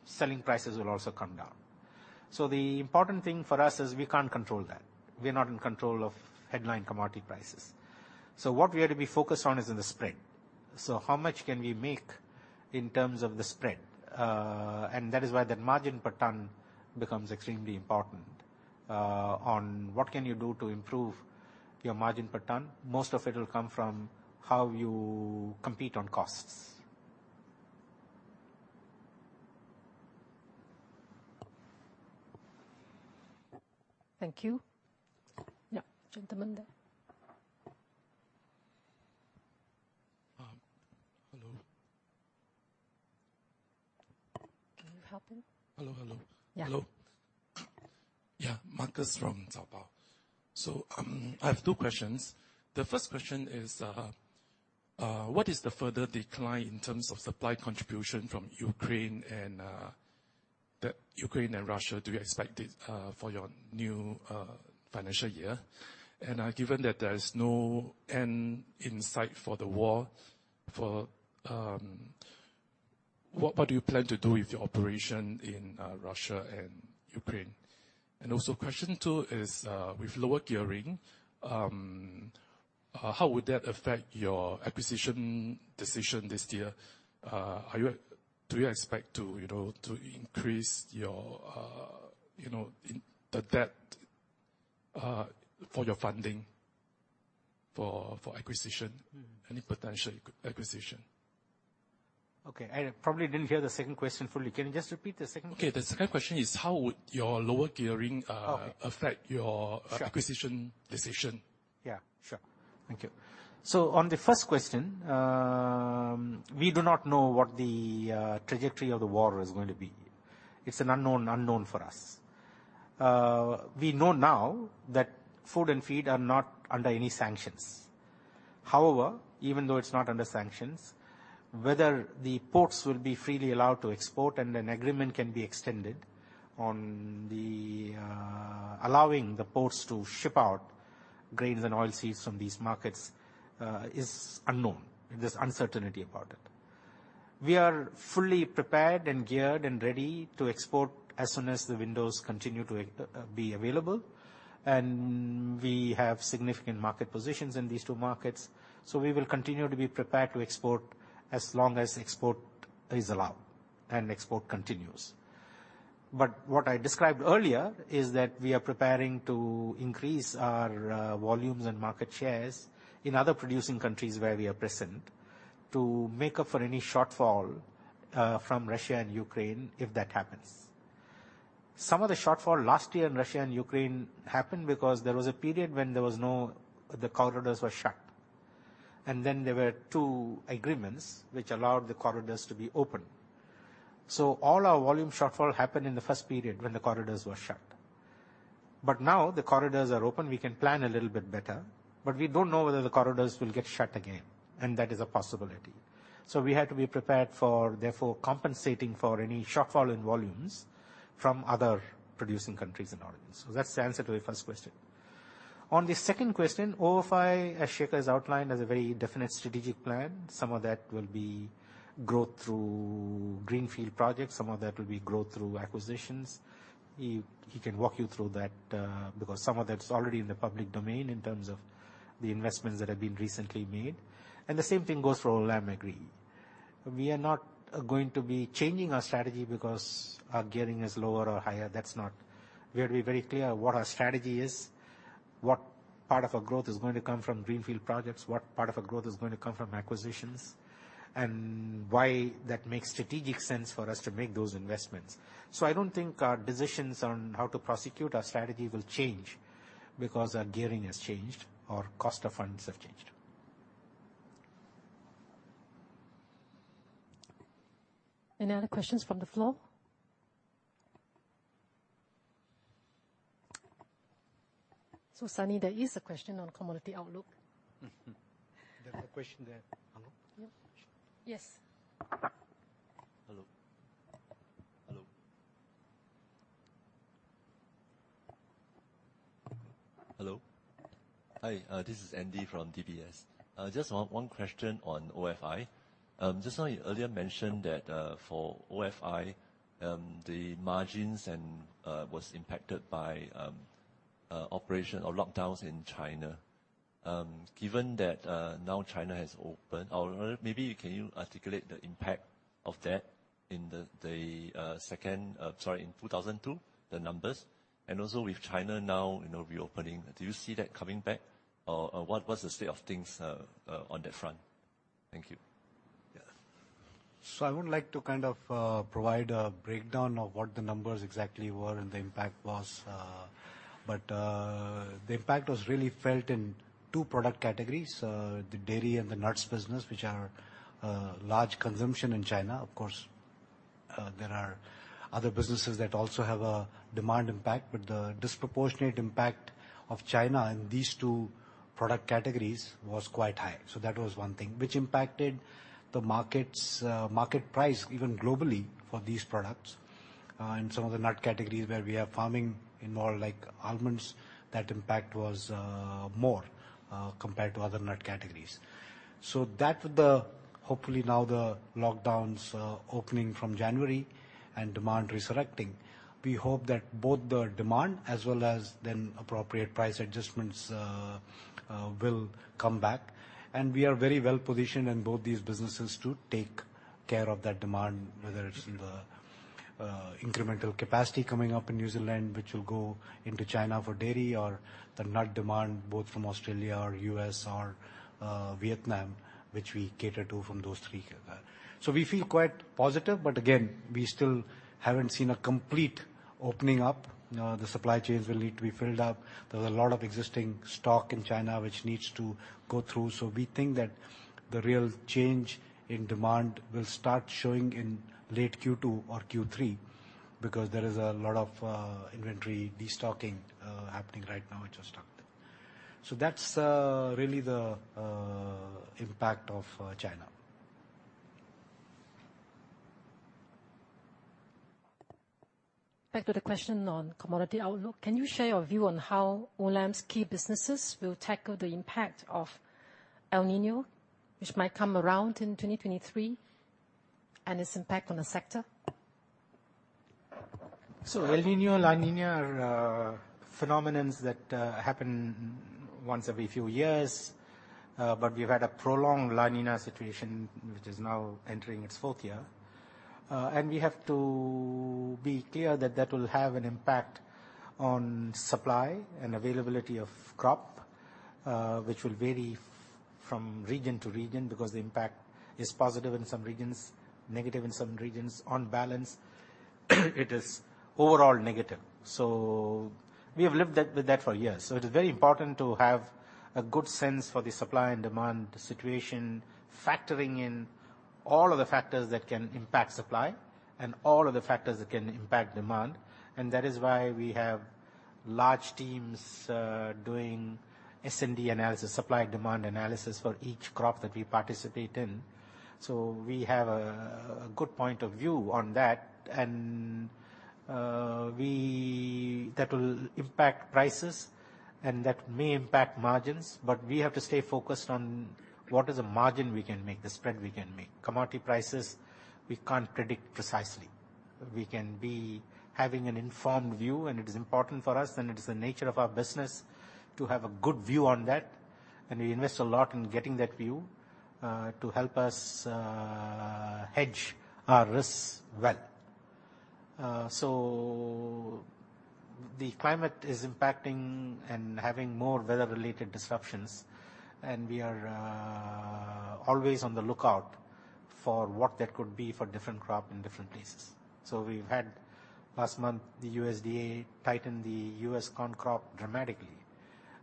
selling prices will also come down. The important thing for us is we can't control that. We're not in control of headline commodity prices. What we have to be focused on is in the spread. How much can we make in terms of the spread? And that is why the margin per ton becomes extremely important. On what can you do to improve your margin per ton? Most of it will come from how you compete on costs. Thank you. Yeah. Gentleman there. Hello. Can you help him? Hello, hello. Yeah. Hello. Yeah, Marcus from Daiwa. I have two questions. The first question is, what is the further decline in terms of supply contribution from Ukraine and Russia do you expect it for your new financial year? Given that there's no end in sight for the war, what do you plan to do with your operation in Russia and Ukraine? Also question two is, with lower gearing, how would that affect your acquisition decision this year? Do you expect to, you know, to increase your, you know, the debt for your funding for acquisition? Any potential acquisition? I probably didn't hear the second question fully. Can you just repeat the second question? Okay. The second question is how would your lower gearing- Okay. -uh, affect your- Sure. acquisition decision? Yeah, sure. Thank you. On the first question, we do not know what the trajectory of the war is going to be. It's an unknown unknown for us. We know now that food and feed are not under any sanctions. However, even though it's not under sanctions, whether the ports will be freely allowed to export and an agreement can be extended on the allowing the ports to ship out grains and oilseeds from these markets, is unknown. There's uncertainty about it. We are fully prepared and geared and ready to export as soon as the windows continue to be available. We have significant market positions in these two markets. We will continue to be prepared to export as long as export is allowed. Export continues. What I described earlier is that we are preparing to increase our volumes and market shares in other producing countries where we are present to make up for any shortfall from Russia and Ukraine if that happens. Some of the shortfall last year in Russia and Ukraine happened because there was a period when the corridors were shut. There were two agreements which allowed the corridors to be open. All our volume shortfall happened in the first period when the corridors were shut. Now the corridors are open, we can plan a little bit better, but we don't know whether the corridors will get shut again, and that is a possibility. We had to be prepared for, therefore, compensating for any shortfall in volumes from other producing countries and origins. That's the answer to your first question. On the second question, ofi, as Shekhar has outlined, has a very definite strategic plan. Some of that will be growth through greenfield projects, some of that will be growth through acquisitions. He can walk you through that because some of that's already in the public domain in terms of the investments that have been recently made. The same thing goes for Olam Agri. We are not going to be changing our strategy because our gearing is lower or higher. We are very clear what our strategy is, what part of our growth is going to come from greenfield projects, what part of our growth is going to come from acquisitions, and why that makes strategic sense for us to make those investments. I don't think our decisions on how to prosecute our strategy will change because our gearing has changed or cost of funds have changed. Any other questions from the floor? Sunny, there is a question on commodity outlook. There's a question there. Hello? Yes. Hello. Hi, this is Andy from DBS. Just one question on ofi. Just now you earlier mentioned that for ofi, the margins and was impacted by operation or lockdowns in China. Given that now China has opened, or maybe can you articulate the impact of that in the second, sorry, in 2002, the numbers. Also with China now, you know, reopening, do you see that coming back? Or what's the state of things on that front? Thank you. Yeah. I would like to kind of provide a breakdown of what the numbers exactly were and the impact was, but the impact was really felt in two product categories, the dairy and the nuts business, which are large consumption in China. Of course, there are other businesses that also have a demand impact, but the disproportionate impact of China in these two product categories was quite high. That was one thing which impacted the markets, market price even globally for these products. Some of the nut categories where we are farming in more like almonds, that impact was more compared to other nut categories. That with the... Hopefully now the lockdowns opening from January and demand resurrecting, we hope that both the demand as well as then appropriate price adjustments will come back. We are very well positioned in both these businesses to take care of that demand, whether it's in the incremental capacity coming up in New Zealand, which will go into China for dairy or the nut demand both from Australia or U.S. or Vietnam, which we cater to from those three. We feel quite positive. Again, we still haven't seen a complete opening up. The supply chains will need to be filled up. There's a lot of existing stock in China which needs to go through. We think that the real change in demand will start showing in late Q2 or Q3, because there is a lot of inventory destocking happening right now which has stopped. That's really the impact of China. Back to the question on commodity outlook. Can you share your view on how Olam's key businesses will tackle the impact of El Niño, which might come around in 2023, and its impact on the sector? El Niño, La Niña are phenomenons that happen once every few years, but we've had a prolonged La Niña situation which is now entering its fourth year. We have to be clear that that will have an impact on supply and availability of crop, which will vary from region to region because the impact is positive in some regions, negative in some regions. On balance, it is overall negative. We have lived that with that for years. It is very important to have a good sense for the supply and demand situation, factoring in all of the factors that can impact supply and all of the factors that can impact demand. That is why we have large teams doing S&D analysis, supply and demand analysis, for each crop that we participate in. We have a good point of view on that. That will impact prices, and that may impact margins, but we have to stay focused on what is the margin we can make, the spread we can make. Commodity prices, we can't predict precisely. We can be having an informed view, and it is important for us, and it is the nature of our business to have a good view on that. We invest a lot in getting that view to help us hedge our risks well. The climate is impacting and having more weather-related disruptions, and we are always on the lookout for what that could be for different crop in different places. We've had last month, the USDA tighten the US corn crop dramatically.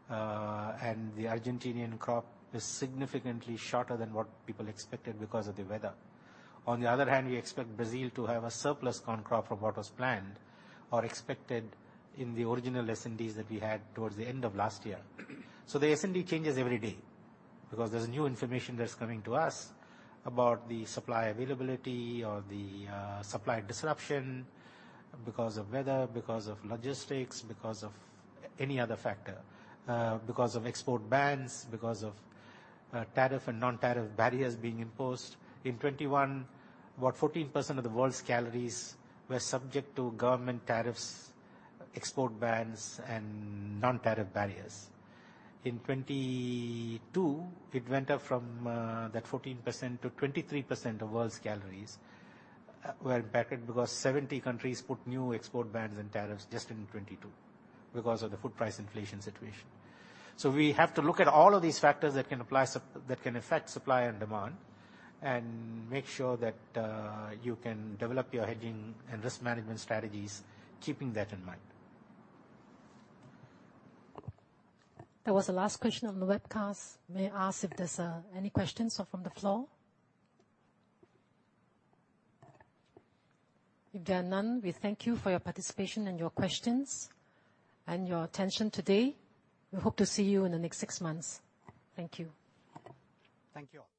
The Argentinian crop is significantly shorter than what people expected because of the weather. On the other hand, we expect Brazil to have a surplus corn crop from what was planned or expected in the original S&Ds that we had towards the end of last year. The S&D changes every day because there's new information that's coming to us about the supply availability or the supply disruption because of weather, because of logistics, because of any other factor. Because of export bans, because of tariff and non-tariff barriers being imposed. In 2021, about 14% of the world's calories were subject to government tariffs, export bans, and non-tariff barriers. In 2022, it went up from that 14% to 23% of world's calories were impacted because 70 countries put new export bans and tariffs just in 2022 because of the food price inflation situation. We have to look at all of these factors that can affect supply and demand and make sure that you can develop your hedging and risk management strategies keeping that in mind. That was the last question on the webcast. May I ask if there's any questions from the floor? If there are none, we thank you for your participation and your questions and your attention today. We hope to see you in the next six months. Thank you. Thank you all.